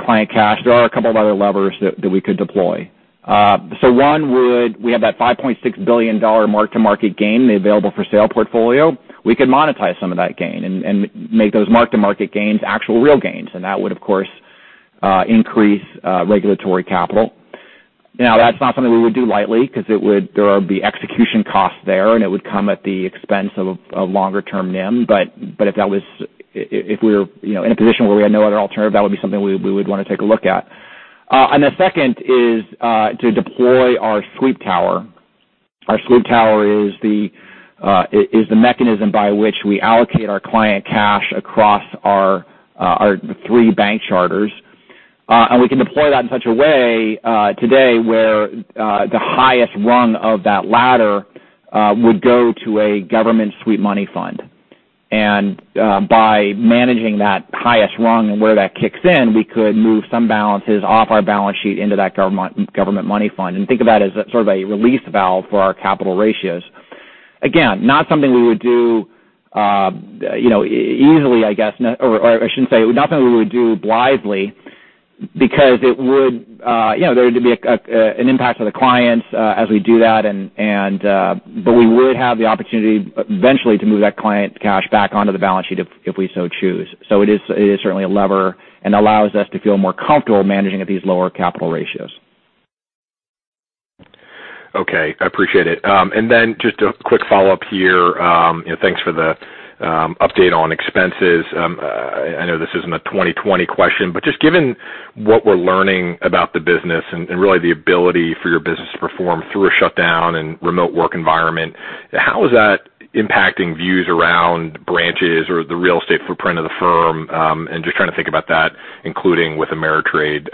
client cash, there are a couple of other levers that we could deploy. One would, we have that $5.6 billion mark-to-market gain in the available-for-sale portfolio. We could monetize some of that gain and make those mark-to-market gains actual real gains, and that would, of course, increase regulatory capital. Now, that's not something we would do lightly because there would be execution costs there, and it would come at the expense of a longer-term NIM. If we were in a position where we had no other alternative, that would be something we would want to take a look at. The second is to deploy our sweep tower. Our sweep tower is the mechanism by which we allocate our client cash across the three bank charters. We can deploy that in such a way today where the highest rung of that ladder would go to a government sweep money fund. By managing that highest rung and where that kicks in, we could move some balances off our balance sheet into that government money fund, and think of that as sort of a release valve for our capital ratios. Again, not something we would do easily, I guess. I shouldn't say, not something we would do blithely because there would be an impact on the clients as we do that. We would have the opportunity eventually to move that client cash back onto the balance sheet if we so choose. It is certainly a lever and allows us to feel more comfortable managing at these lower capital ratios. Okay. I appreciate it. Just a quick follow-up here. Thanks for the update on expenses. I know this isn't a 2020 question, just given what we're learning about the business and really the ability for your business to perform through a shutdown and remote work environment, how is that impacting views around branches or the real estate footprint of the firm? Just trying to think about that, including with Ameritrade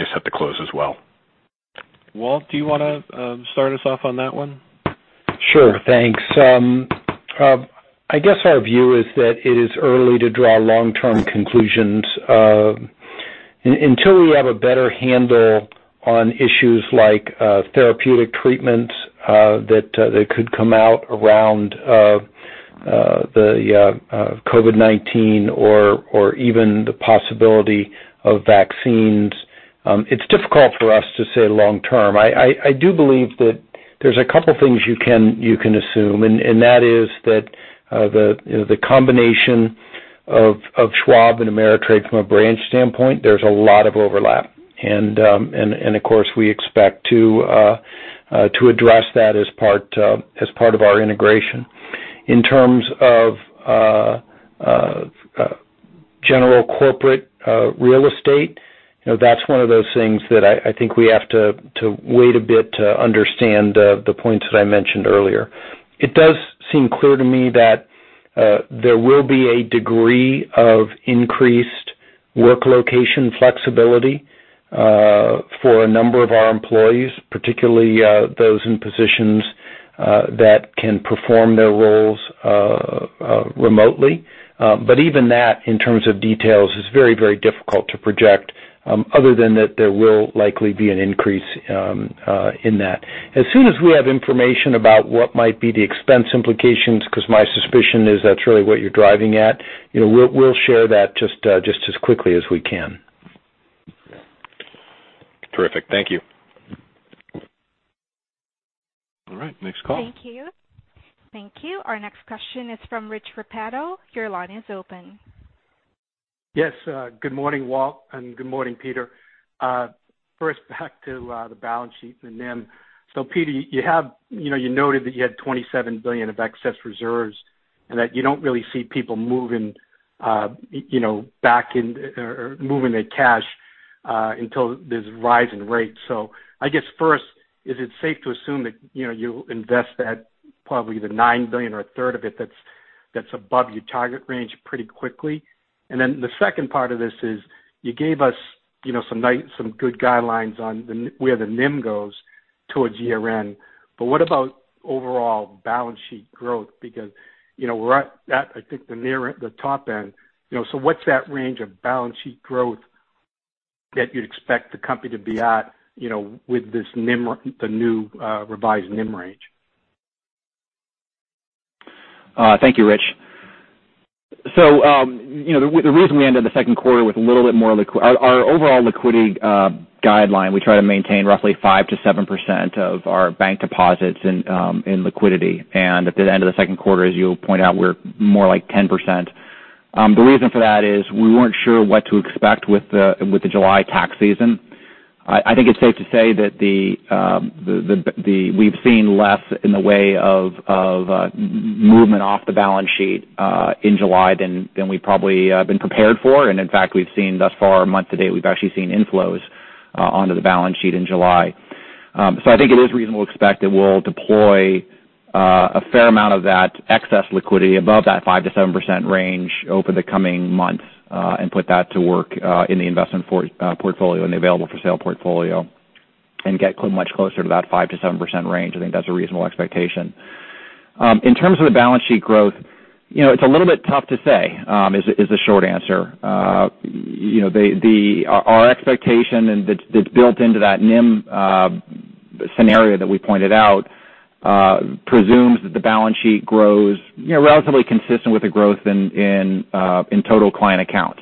is set to close as well. Walt, do you want to start us off on that one? Sure. Thanks. I guess our view is that it is early to draw long-term conclusions. Until we have a better handle on issues like therapeutic treatments that could come out around the COVID-19 or even the possibility of vaccines, it's difficult for us to say long term. I do believe that there's a couple things you can assume, and that is that the combination of Schwab and Ameritrade from a branch standpoint, there's a lot of overlap. Of course, we expect to address that as part of our integration. In terms of general corporate real estate, that's one of those things that I think we have to wait a bit to understand the points that I mentioned earlier. It does seem clear to me that there will be a degree of increased work location flexibility for a number of our employees, particularly those in positions that can perform their roles remotely. Even that, in terms of details, is very difficult to project, other than that there will likely be an increase in that. As soon as we have information about what might be the expense implications, because my suspicion is that's really what you're driving at, we'll share that just as quickly as we can. Terrific. Thank you. All right. Next call. Thank you. Our next question is from Richard Repetto. Your line is open. Yes. Good morning, Walt, and good morning, Peter. First, back to the balance sheet and NIM. Peter, you noted that you had $27 billion of excess reserves and that you don't really see people moving their cash until there's a rise in rates. I guess first, is it safe to assume that you'll invest that probably the $9 billion or a third of it that's above your target range pretty quickly. The second part of this is, you gave us some good guidelines on where the NIM goes towards year-end. What about overall balance sheet growth? Because we're at, I think, the top end. What's that range of balance sheet growth that you'd expect the company to be at with the new revised NIM range? Thank you, Rich. The reason we ended the second quarter with a little bit more Our overall liquidity guideline, we try to maintain roughly 5%-7% of our Bank deposits in liquidity. At the end of the second quarter, as you point out, we're more like 10%. The reason for that is we weren't sure what to expect with the July tax season. I think it's safe to say that we've seen less in the way of movement off the balance sheet, in July than we've probably been prepared for. In fact, thus far, month to date, we've actually seen inflows onto the balance sheet in July. I think it is reasonable to expect that we'll deploy a fair amount of that excess liquidity above that 5%-7% range over the coming months, and put that to work in the investment portfolio and the available-for-sale portfolio and get much closer to that 5%-7% range. I think that's a reasonable expectation. In terms of the balance sheet growth, it's a little bit tough to say, is the short answer. Our expectation and that's built into that NIM scenario that we pointed out presumes that the balance sheet grows relatively consistent with the growth in total client accounts.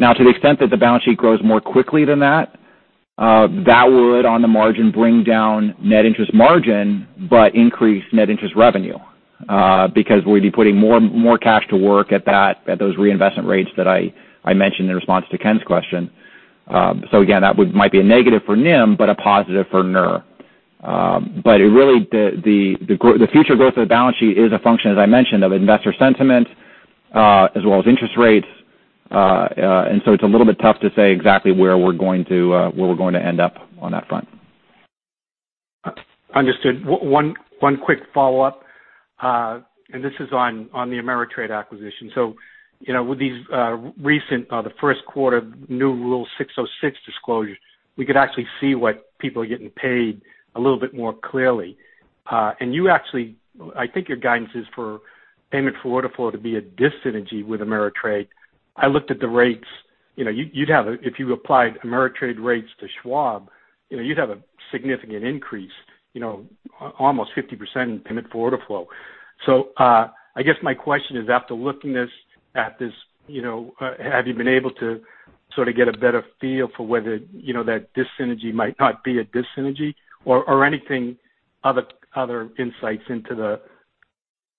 To the extent that the balance sheet grows more quickly than that would, on the margin, bring down net interest margin but increase net interest revenue because we'd be putting more cash to work at those reinvestment rates that I mentioned in response to Ken's question. Again, that might be a negative for NIM, but a positive for NIR. Really, the future growth of the balance sheet is a function, as I mentioned, of investor sentiment as well as interest rates. It's a little bit tough to say exactly where we're going to end up on that front. Understood. One quick follow-up and this is on the TD Ameritrade acquisition. With these recent first quarter new Rule 606 disclosures, we could actually see what people are getting paid a little bit more clearly. I think your guidance is for payment for order flow to be a dis-synergy with TD Ameritrade. I looked at the rates. If you applied TD Ameritrade rates to Schwab, you'd have a significant increase, almost 50% in payment for order flow. I guess my question is, after looking at this, have you been able to sort of get a better feel for whether that dis-synergy might not be a dis-synergy? Any other insights into the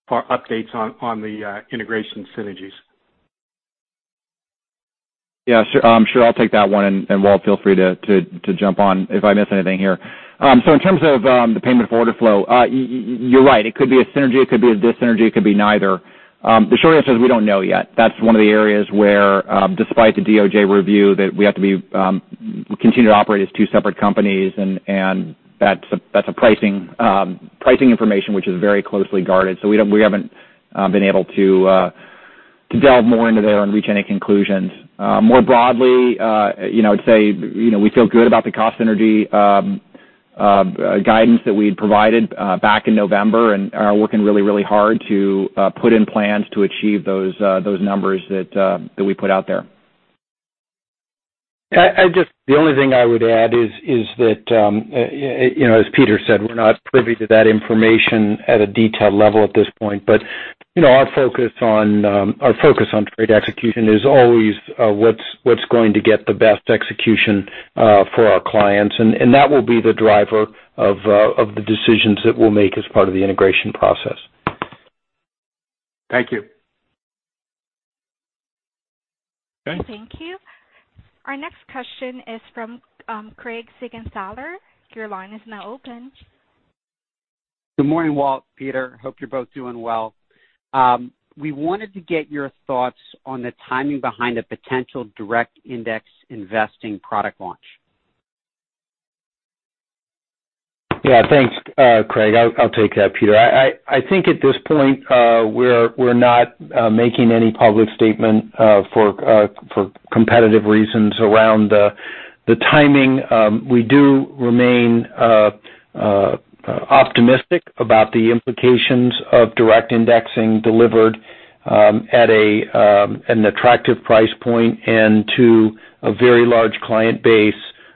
updates on the integration synergies? Yeah, sure. I'll take that one. Walt, feel free to jump on if I miss anything here. In terms of the payment for order flow, you're right, it could be a synergy, it could be a dis-synergy, it could be neither. The short answer is we don't know yet. That's one of the areas where despite the DOJ review, that we have to continue to operate as two separate companies. That's pricing information, which is very closely guarded. We haven't been able to delve more into there and reach any conclusions. More broadly, I'd say we feel good about the cost synergy guidance that we had provided back in November and are working really hard to put in plans to achieve those numbers that we put out there. The only thing I would add is that, as Peter said, we're not privy to that information at a detailed level at this point. Our focus on trade execution is always what's going to get the best execution for our clients. That will be the driver of the decisions that we'll make as part of the integration process. Thank you. Okay. Thank you. Our next question is from Craig Siegenthaler. Your line is now open. Good morning, Walt, Peter. Hope you're both doing well. We wanted to get your thoughts on the timing behind the potential direct index investing product launch? Yeah. Thanks, Craig. I'll take that, Peter. I think at this point, we're not making any public statement for competitive reasons around the timing. We do remain optimistic about the implications of direct indexing delivered at an attractive price point and to a very large client base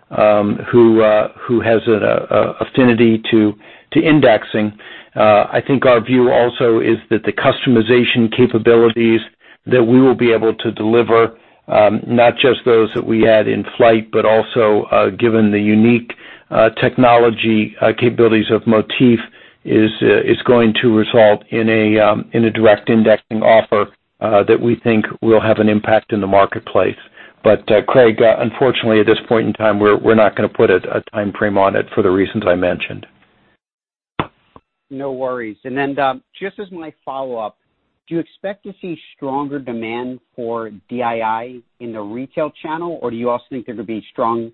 who has an affinity to indexing. I think our view also is that the customization capabilities that we will be able to deliver, not just those that we had in flight, but also given the unique technology capabilities of Motif is going to result in a direct indexing offer that we think will have an impact in the marketplace. Craig, unfortunately at this point in time, we're not going to put a time frame on it for the reasons I mentioned. No worries. Just as my follow-up, do you expect to see stronger demand for DII in the retail channel, or do you also think there could be strong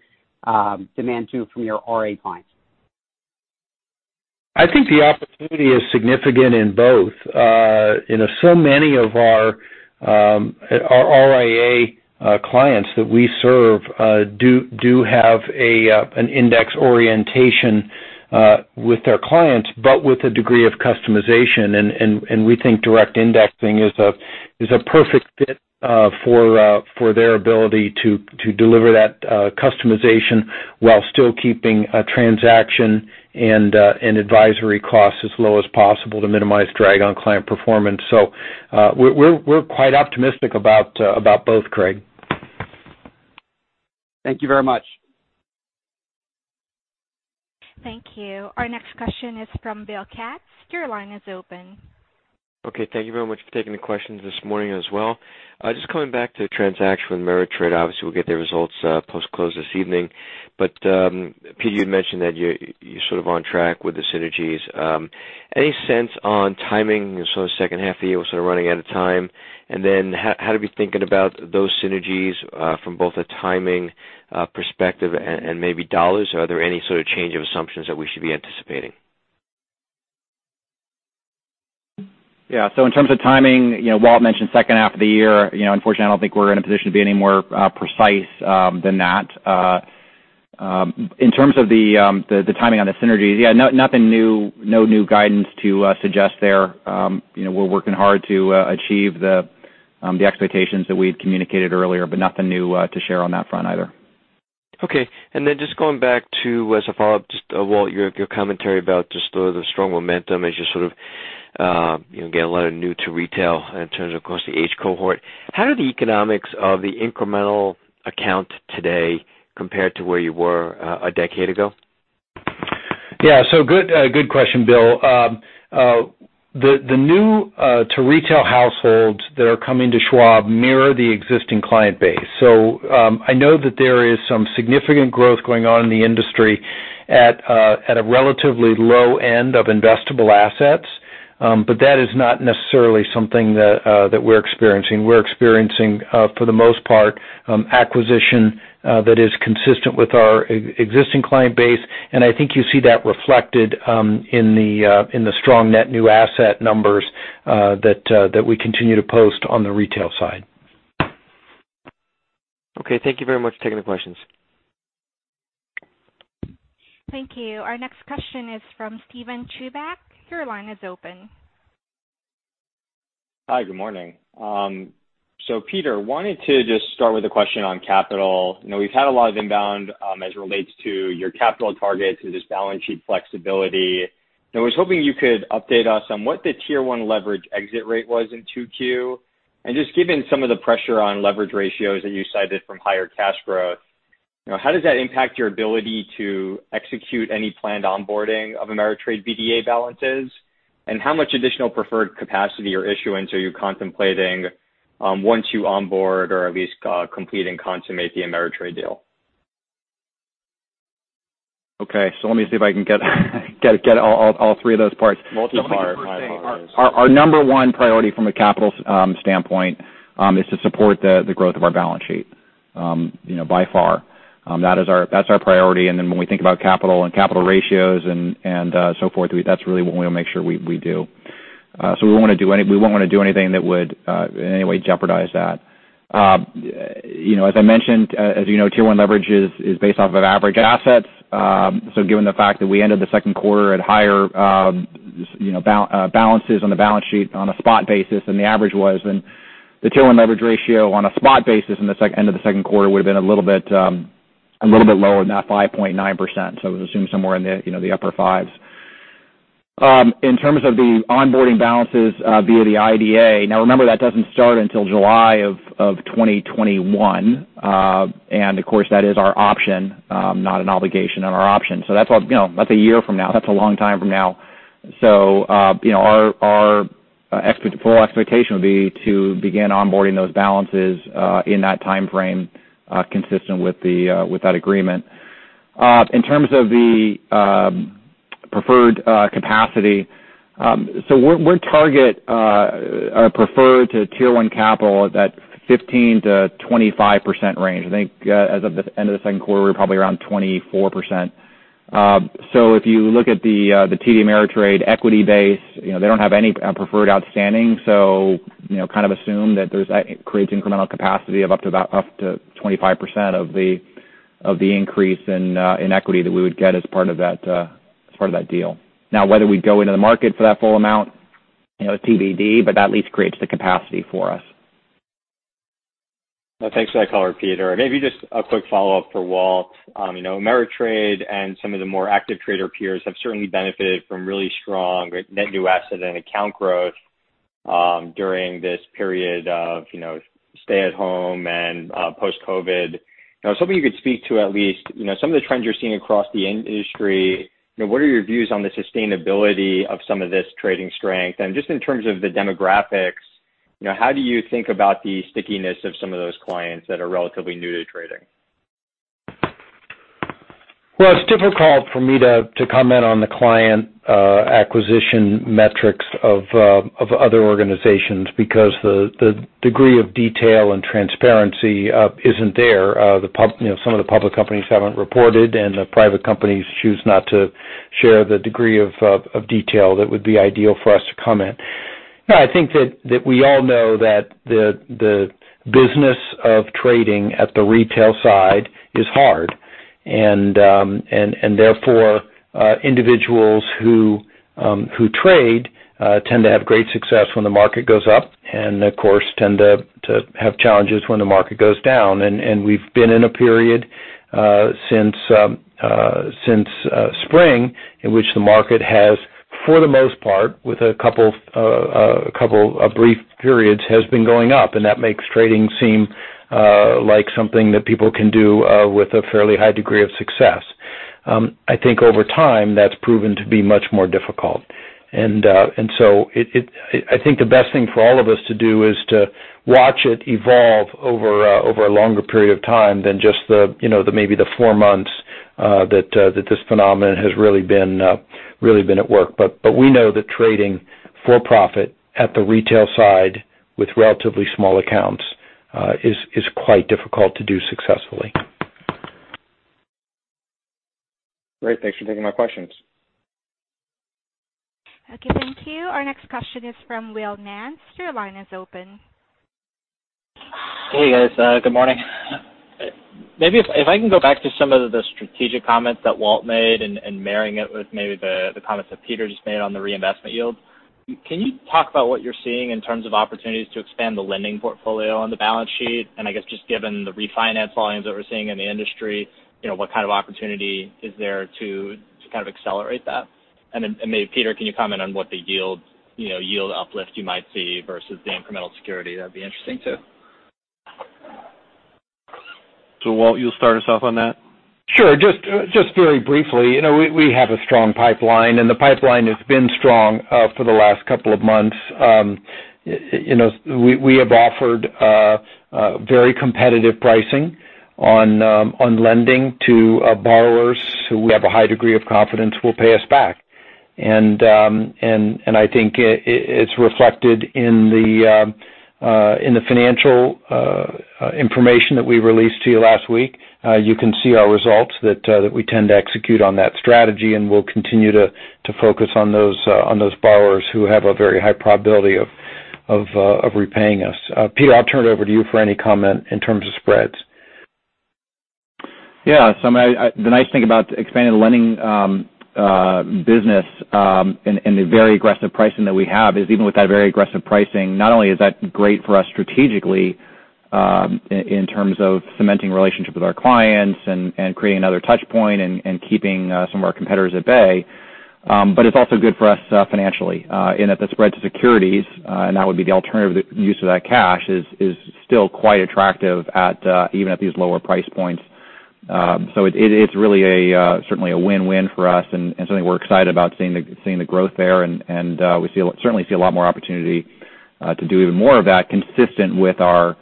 demand too from your RIA clients? I think the opportunity is significant in both. Many of our RIA clients that we serve do have an index orientation with their clients, but with a degree of customization. We think direct indexing is a perfect fit for their ability to deliver that customization while still keeping transaction and advisory costs as low as possible to minimize drag on client performance. We're quite optimistic about both, Craig. Thank you very much. Thank you. Our next question is from Bill Katz. Your line is open. Okay. Thank you very much for taking the questions this morning as well. Just coming back to transaction with Ameritrade. Obviously, we'll get their results post-close this evening. Pete, you had mentioned that you're sort of on track with the synergies. Any sense on timing sort of second half of the year? We're sort of running out of time. How do we think about those synergies from both a timing perspective and maybe dollars? Are there any sort of change of assumptions that we should be anticipating? Yeah. In terms of timing, Walt mentioned second half of the year. Unfortunately, I don't think we're in a position to be any more precise than that. In terms of the timing on the synergies, yeah, nothing new. No new guidance to suggest there. We're working hard to achieve the expectations that we had communicated earlier, but nothing new to share on that front either. Okay. Just going back to, as a follow-up just, Walt, your commentary about just the strong momentum as you sort of get a lot of new to retail in terms, of course, the age cohort, how do the economics of the incremental account today compare to where you were a decade ago? Yeah. Good question, Bill. The new-to-retail households that are coming to Schwab mirror the existing client base. I know that there is some significant growth going on in the industry at a relatively low end of investable assets. That is not necessarily something that we're experiencing. We're experiencing, for the most part, acquisition that is consistent with our existing client base, and I think you see that reflected in the strong net new asset numbers that we continue to post on the retail side. Okay. Thank you very much for taking the questions. Thank you. Our next question is from Steven Chubak. Your line is open. Hi, good morning. Peter, I wanted to just start with a question on capital. We've had a lot of inbound as it relates to your capital targets and just balance sheet flexibility. I was hoping you could update us on what the Tier 1 leverage exit rate was in 2Q. Just given some of the pressure on leverage ratios that you cited from higher cash growth, how does that impact your ability to execute any planned onboarding of Ameritrade BDA balances? How much additional preferred capacity or issuance are you contemplating once you onboard or at least complete and consummate the Ameritrade deal? Okay. Let me see if I can get all three of those parts. Multi-part. Our number one priority from a capital standpoint is to support the growth of our balance sheet, by far. That's our priority, and then when we think about capital and capital ratios and so forth, that's really what we want to make sure we do. We wouldn't want to do anything that would in any way jeopardize that. As I mentioned, as you know, Tier 1 leverage is based off of average assets. Given the fact that we ended the second quarter at higher balances on the balance sheet on a spot basis than the average was, then the Tier 1 leverage ratio on a spot basis in the end of the second quarter would've been a little bit lower than that 5.9%, so assume somewhere in the upper fives. In terms of the onboarding balances via the IDA, now remember, that doesn't start until July of 2021. Of course, that is our option, not an obligation, and our option. That's a year from now. That's a long time from now. Our full expectation would be to begin onboarding those balances in that timeframe, consistent with that agreement. In terms of the preferred capacity, we target our preferred to Tier 1 capital at that 15%-25% range. I think as of the end of the second quarter, we're probably around 24%. If you look at the TD Ameritrade equity base, they don't have any preferred outstanding, kind of assume that it creates incremental capacity of up to 25% of the increase in equity that we would get as part of that deal. Whether we go into the market for that full amount, TBD, but that at least creates the capacity for us. Thanks for that color, Peter. Maybe just a quick follow-up for Walt. Ameritrade and some of the more active trader peers have certainly benefited from really strong net new asset and account growth during this period of stay-at-home and post-COVID. I was hoping you could speak to at least some of the trends you're seeing across the industry. What are your views on the sustainability of some of this trading strength? Just in terms of the demographics, how do you think about the stickiness of some of those clients that are relatively new to trading? Well, it's difficult for me to comment on the client acquisition metrics of other organizations because the degree of detail and transparency isn't there. Some of the public companies haven't reported, and the private companies choose not to share the degree of detail that would be ideal for us to comment. No, I think that we all know that the business of trading at the retail side is hard. Therefore, individuals who trade tend to have great success when the market goes up, and of course, tend to have challenges when the market goes down. We've been in a period since spring in which the market has, for the most part, with a couple of brief periods, has been going up, and that makes trading seem like something that people can do with a fairly high degree of success. I think over time, that's proven to be much more difficult. I think the best thing for all of us to do is to watch it evolve over a longer period of time than just maybe the four months that this phenomenon has really been at work. We know that trading for profit at the retail side with relatively small accounts is quite difficult to do successfully. Great. Thanks for taking my questions. Okay, thank you. Our next question is from Will Nance. Your line is open. Hey, guys. Good morning. Maybe if I can go back to some of the strategic comments that Walt made and marrying it with maybe the comments that Peter just made on the reinvestment yield. I guess just given the refinance volumes that we're seeing in the industry, what kind of opportunity is there to kind of accelerate that? Then maybe, Peter, can you comment on what the yield uplift you might see versus the incremental security? That'd be interesting, too. Walt, you'll start us off on that? Sure. Just very briefly. We have a strong pipeline, and the pipeline has been strong for the last couple of months. We have offered very competitive pricing on lending to borrowers who we have a high degree of confidence will pay us back. I think it's reflected in the financial information that we released to you last week. You can see our results that we tend to execute on that strategy, and we'll continue to focus on those borrowers who have a very high probability of repaying us. Peter, I'll turn it over to you for any comment in terms of spreads. Yeah. The nice thing about expanding the lending business and the very aggressive pricing that we have is even with that very aggressive pricing, not only is that great for us strategically in terms of cementing relationship with our clients and creating another touch point and keeping some of our competitors at bay. It's also good for us financially in that the spread to securities, and that would be the alternative use of that cash, is still quite attractive even at these lower price points. It's really certainly a win-win for us and something we're excited about seeing the growth there. We certainly see a lot more opportunity to do even more of that consistent with our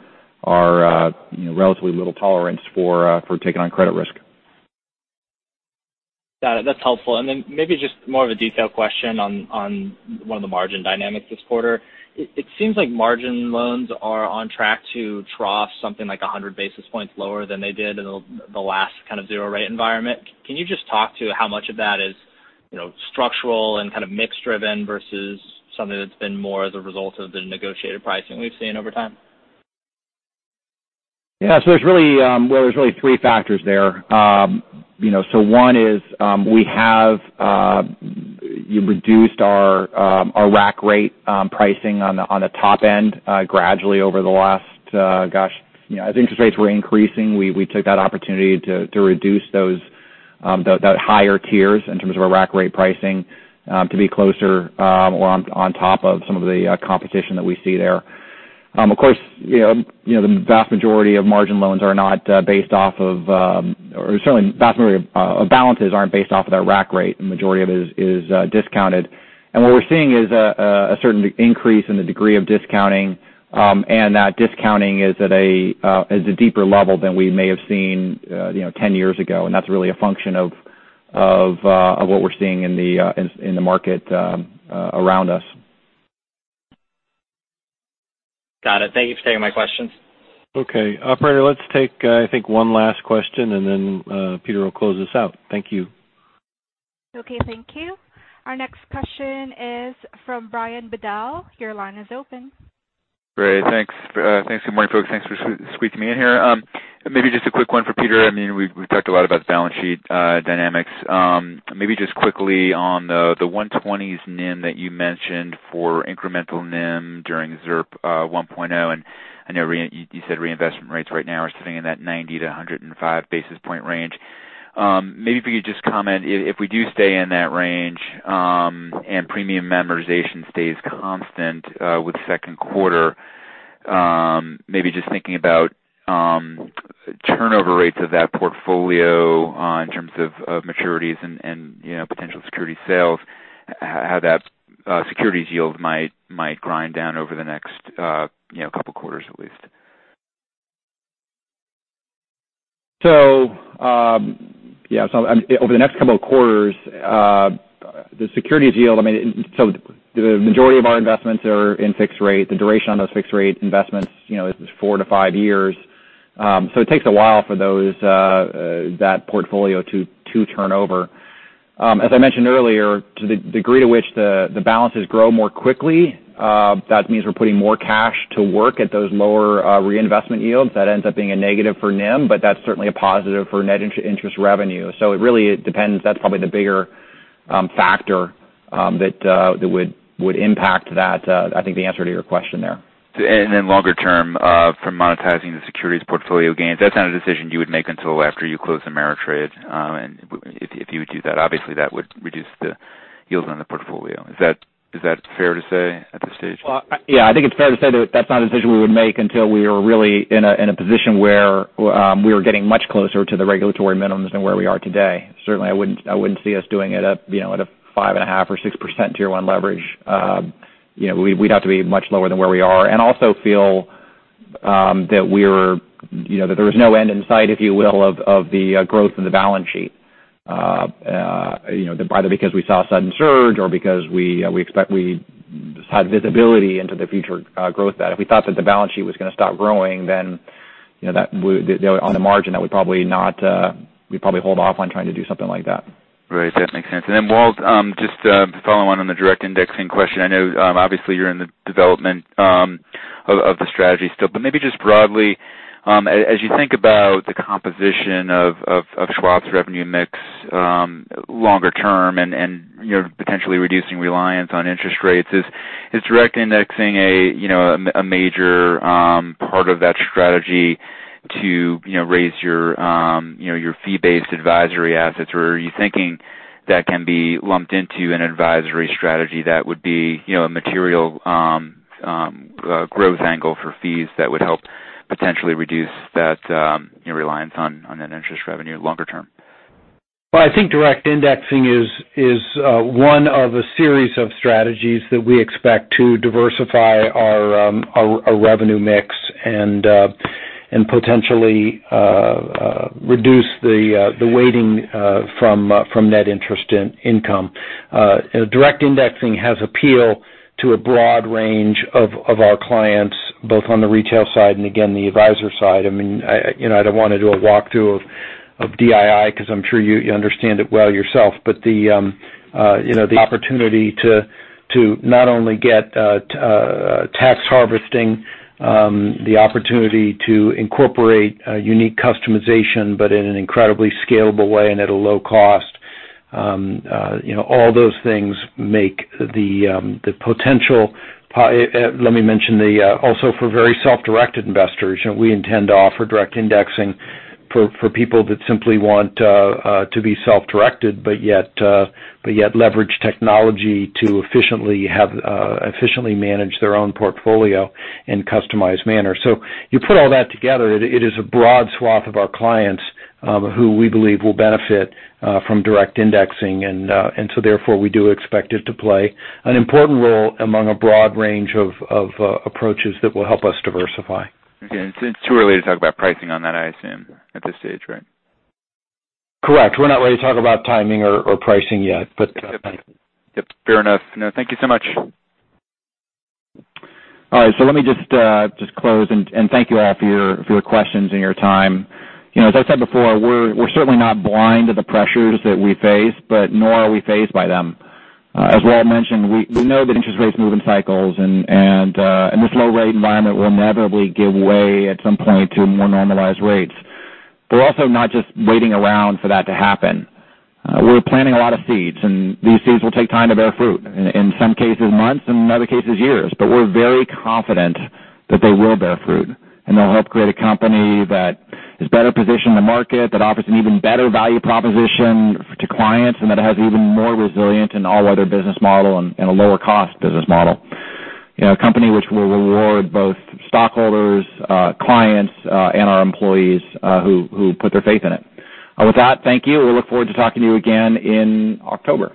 relatively little tolerance for taking on credit risk. Got it. That's helpful. Maybe just more of a detailed question on one of the margin dynamics this quarter. It seems like margin loans are on track to trough something like 100 basis points lower than they did in the last kind of zero rate environment. Can you just talk to how much of that is structural and kind of mix driven versus something that's been more as a result of the negotiated pricing we've seen over time? Yeah. Well, there's really three factors there. One is we have reduced our rack rate pricing on the top end gradually over the last. Gosh. As interest rates were increasing, we took that opportunity to reduce those higher tiers in terms of our rack rate pricing to be closer or on top of some of the competition that we see there. Of course, certainly the vast majority of balances aren't based off of that rack rate. The majority of it is discounted. What we're seeing is a certain increase in the degree of discounting, and that discounting is at a deeper level than we may have seen 10 years ago. That's really a function of what we're seeing in the market around us. Got it. Thank you for taking my questions. Okay. Operator, let's take, I think, one last question, and then Peter will close us out. Thank you. Okay, thank you. Our next question is from Brian Bedell. Your line is open. Great. Thanks. Good morning, folks. Thanks for squeezing me in here. Maybe just a quick one for Peter. We've talked a lot about the balance sheet dynamics. Maybe just quickly on the 120 NIM that you mentioned for incremental NIM during ZIRP 1.0. I know you said reinvestment rates right now are sitting in that 90 to 105 basis point range. Maybe if you could just comment if we do stay in that range and premium amortization stays constant with second quarter, maybe just thinking about turnover rates of that portfolio in terms of maturities and potential securities sales, how that securities yield might grind down over the next couple quarters at least. Yeah. Over the next couple of quarters, the securities yield, so the majority of our investments are in fixed rate. The duration on those fixed rate investments is four to five years. It takes a while for that portfolio to turn over. As I mentioned earlier, to the degree to which the balances grow more quickly, that means we're putting more cash to work at those lower reinvestment yields. That ends up being a negative for NIM, but that's certainly a positive for net interest revenue. It really depends. That's probably the bigger factor that would impact that. I think the answer to your question there. Longer term, from monetizing the securities portfolio gains, that is not a decision you would make until after you close Ameritrade. If you would do that, obviously that would reduce the yields on the portfolio. Is that fair to say at this stage? Yeah, I think it's fair to say that that's not a decision we would make until we are really in a position where we are getting much closer to the regulatory minimums than where we are today. Certainly, I wouldn't see us doing it at a 5.5% or 6% Tier 1 leverage. We'd have to be much lower than where we are and also feel that there was no end in sight, if you will, of the growth in the balance sheet either because we saw a sudden surge or because we had visibility into the future growth that if we thought that the balance sheet was going to stop growing, then on the margin, we'd probably hold off on trying to do something like that. Right. That makes sense. Walt, just to follow on the direct indexing question. I know obviously you're in the development of the strategy still, but maybe just broadly as you think about the composition of Schwab's revenue mix longer term and potentially reducing reliance on interest rates, is direct indexing a major part of that strategy to raise your fee-based advisory assets or are you thinking that can be lumped into an advisory strategy that would be a material growth angle for fees that would help potentially reduce that reliance on that interest revenue longer term? Well, I think direct indexing is one of a series of strategies that we expect to diversify our revenue mix and potentially reduce the weighting from net interest income. Direct indexing has appeal to a broad range of our clients, both on the retail side and again, the advisor side. I don't want to do a walkthrough of DII because I'm sure you understand it well yourself, but the opportunity to not only get tax harvesting, the opportunity to incorporate unique customization, but in an incredibly scalable way and at a low cost. All those things make the potential. Let me mention also for very self-directed investors, we intend to offer direct indexing for people that simply want to be self-directed but yet leverage technology to efficiently manage their own portfolio in a customized manner. You put all that together, it is a broad swath of our clients who we believe will benefit from direct indexing, and so therefore, we do expect it to play an important role among a broad range of approaches that will help us diversify. Okay. It's too early to talk about pricing on that, I assume, at this stage, right? Correct. We're not ready to talk about timing or pricing yet. Yep. Fair enough. No, thank you so much. Let me just close and thank you all for your questions and your time. As I said before, we're certainly not blind to the pressures that we face, but nor are we fazed by them. As Walt mentioned, we know that interest rates move in cycles, and this low rate environment will inevitably give way at some point to more normalized rates. We're also not just waiting around for that to happen. We're planting a lot of seeds, and these seeds will take time to bear fruit, in some cases, months, in other cases, years. We're very confident that they will bear fruit, and they'll help create a company that is better positioned in the market, that offers an even better value proposition to clients, and that has an even more resilient and all-weather business model and a lower cost business model. A company which will reward both stockholders, clients, and our employees who put their faith in it. With that, thank you. We look forward to talking to you again in October.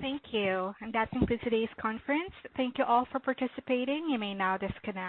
Thank you. That concludes today's conference. Thank you all for participating. You may now disconnect.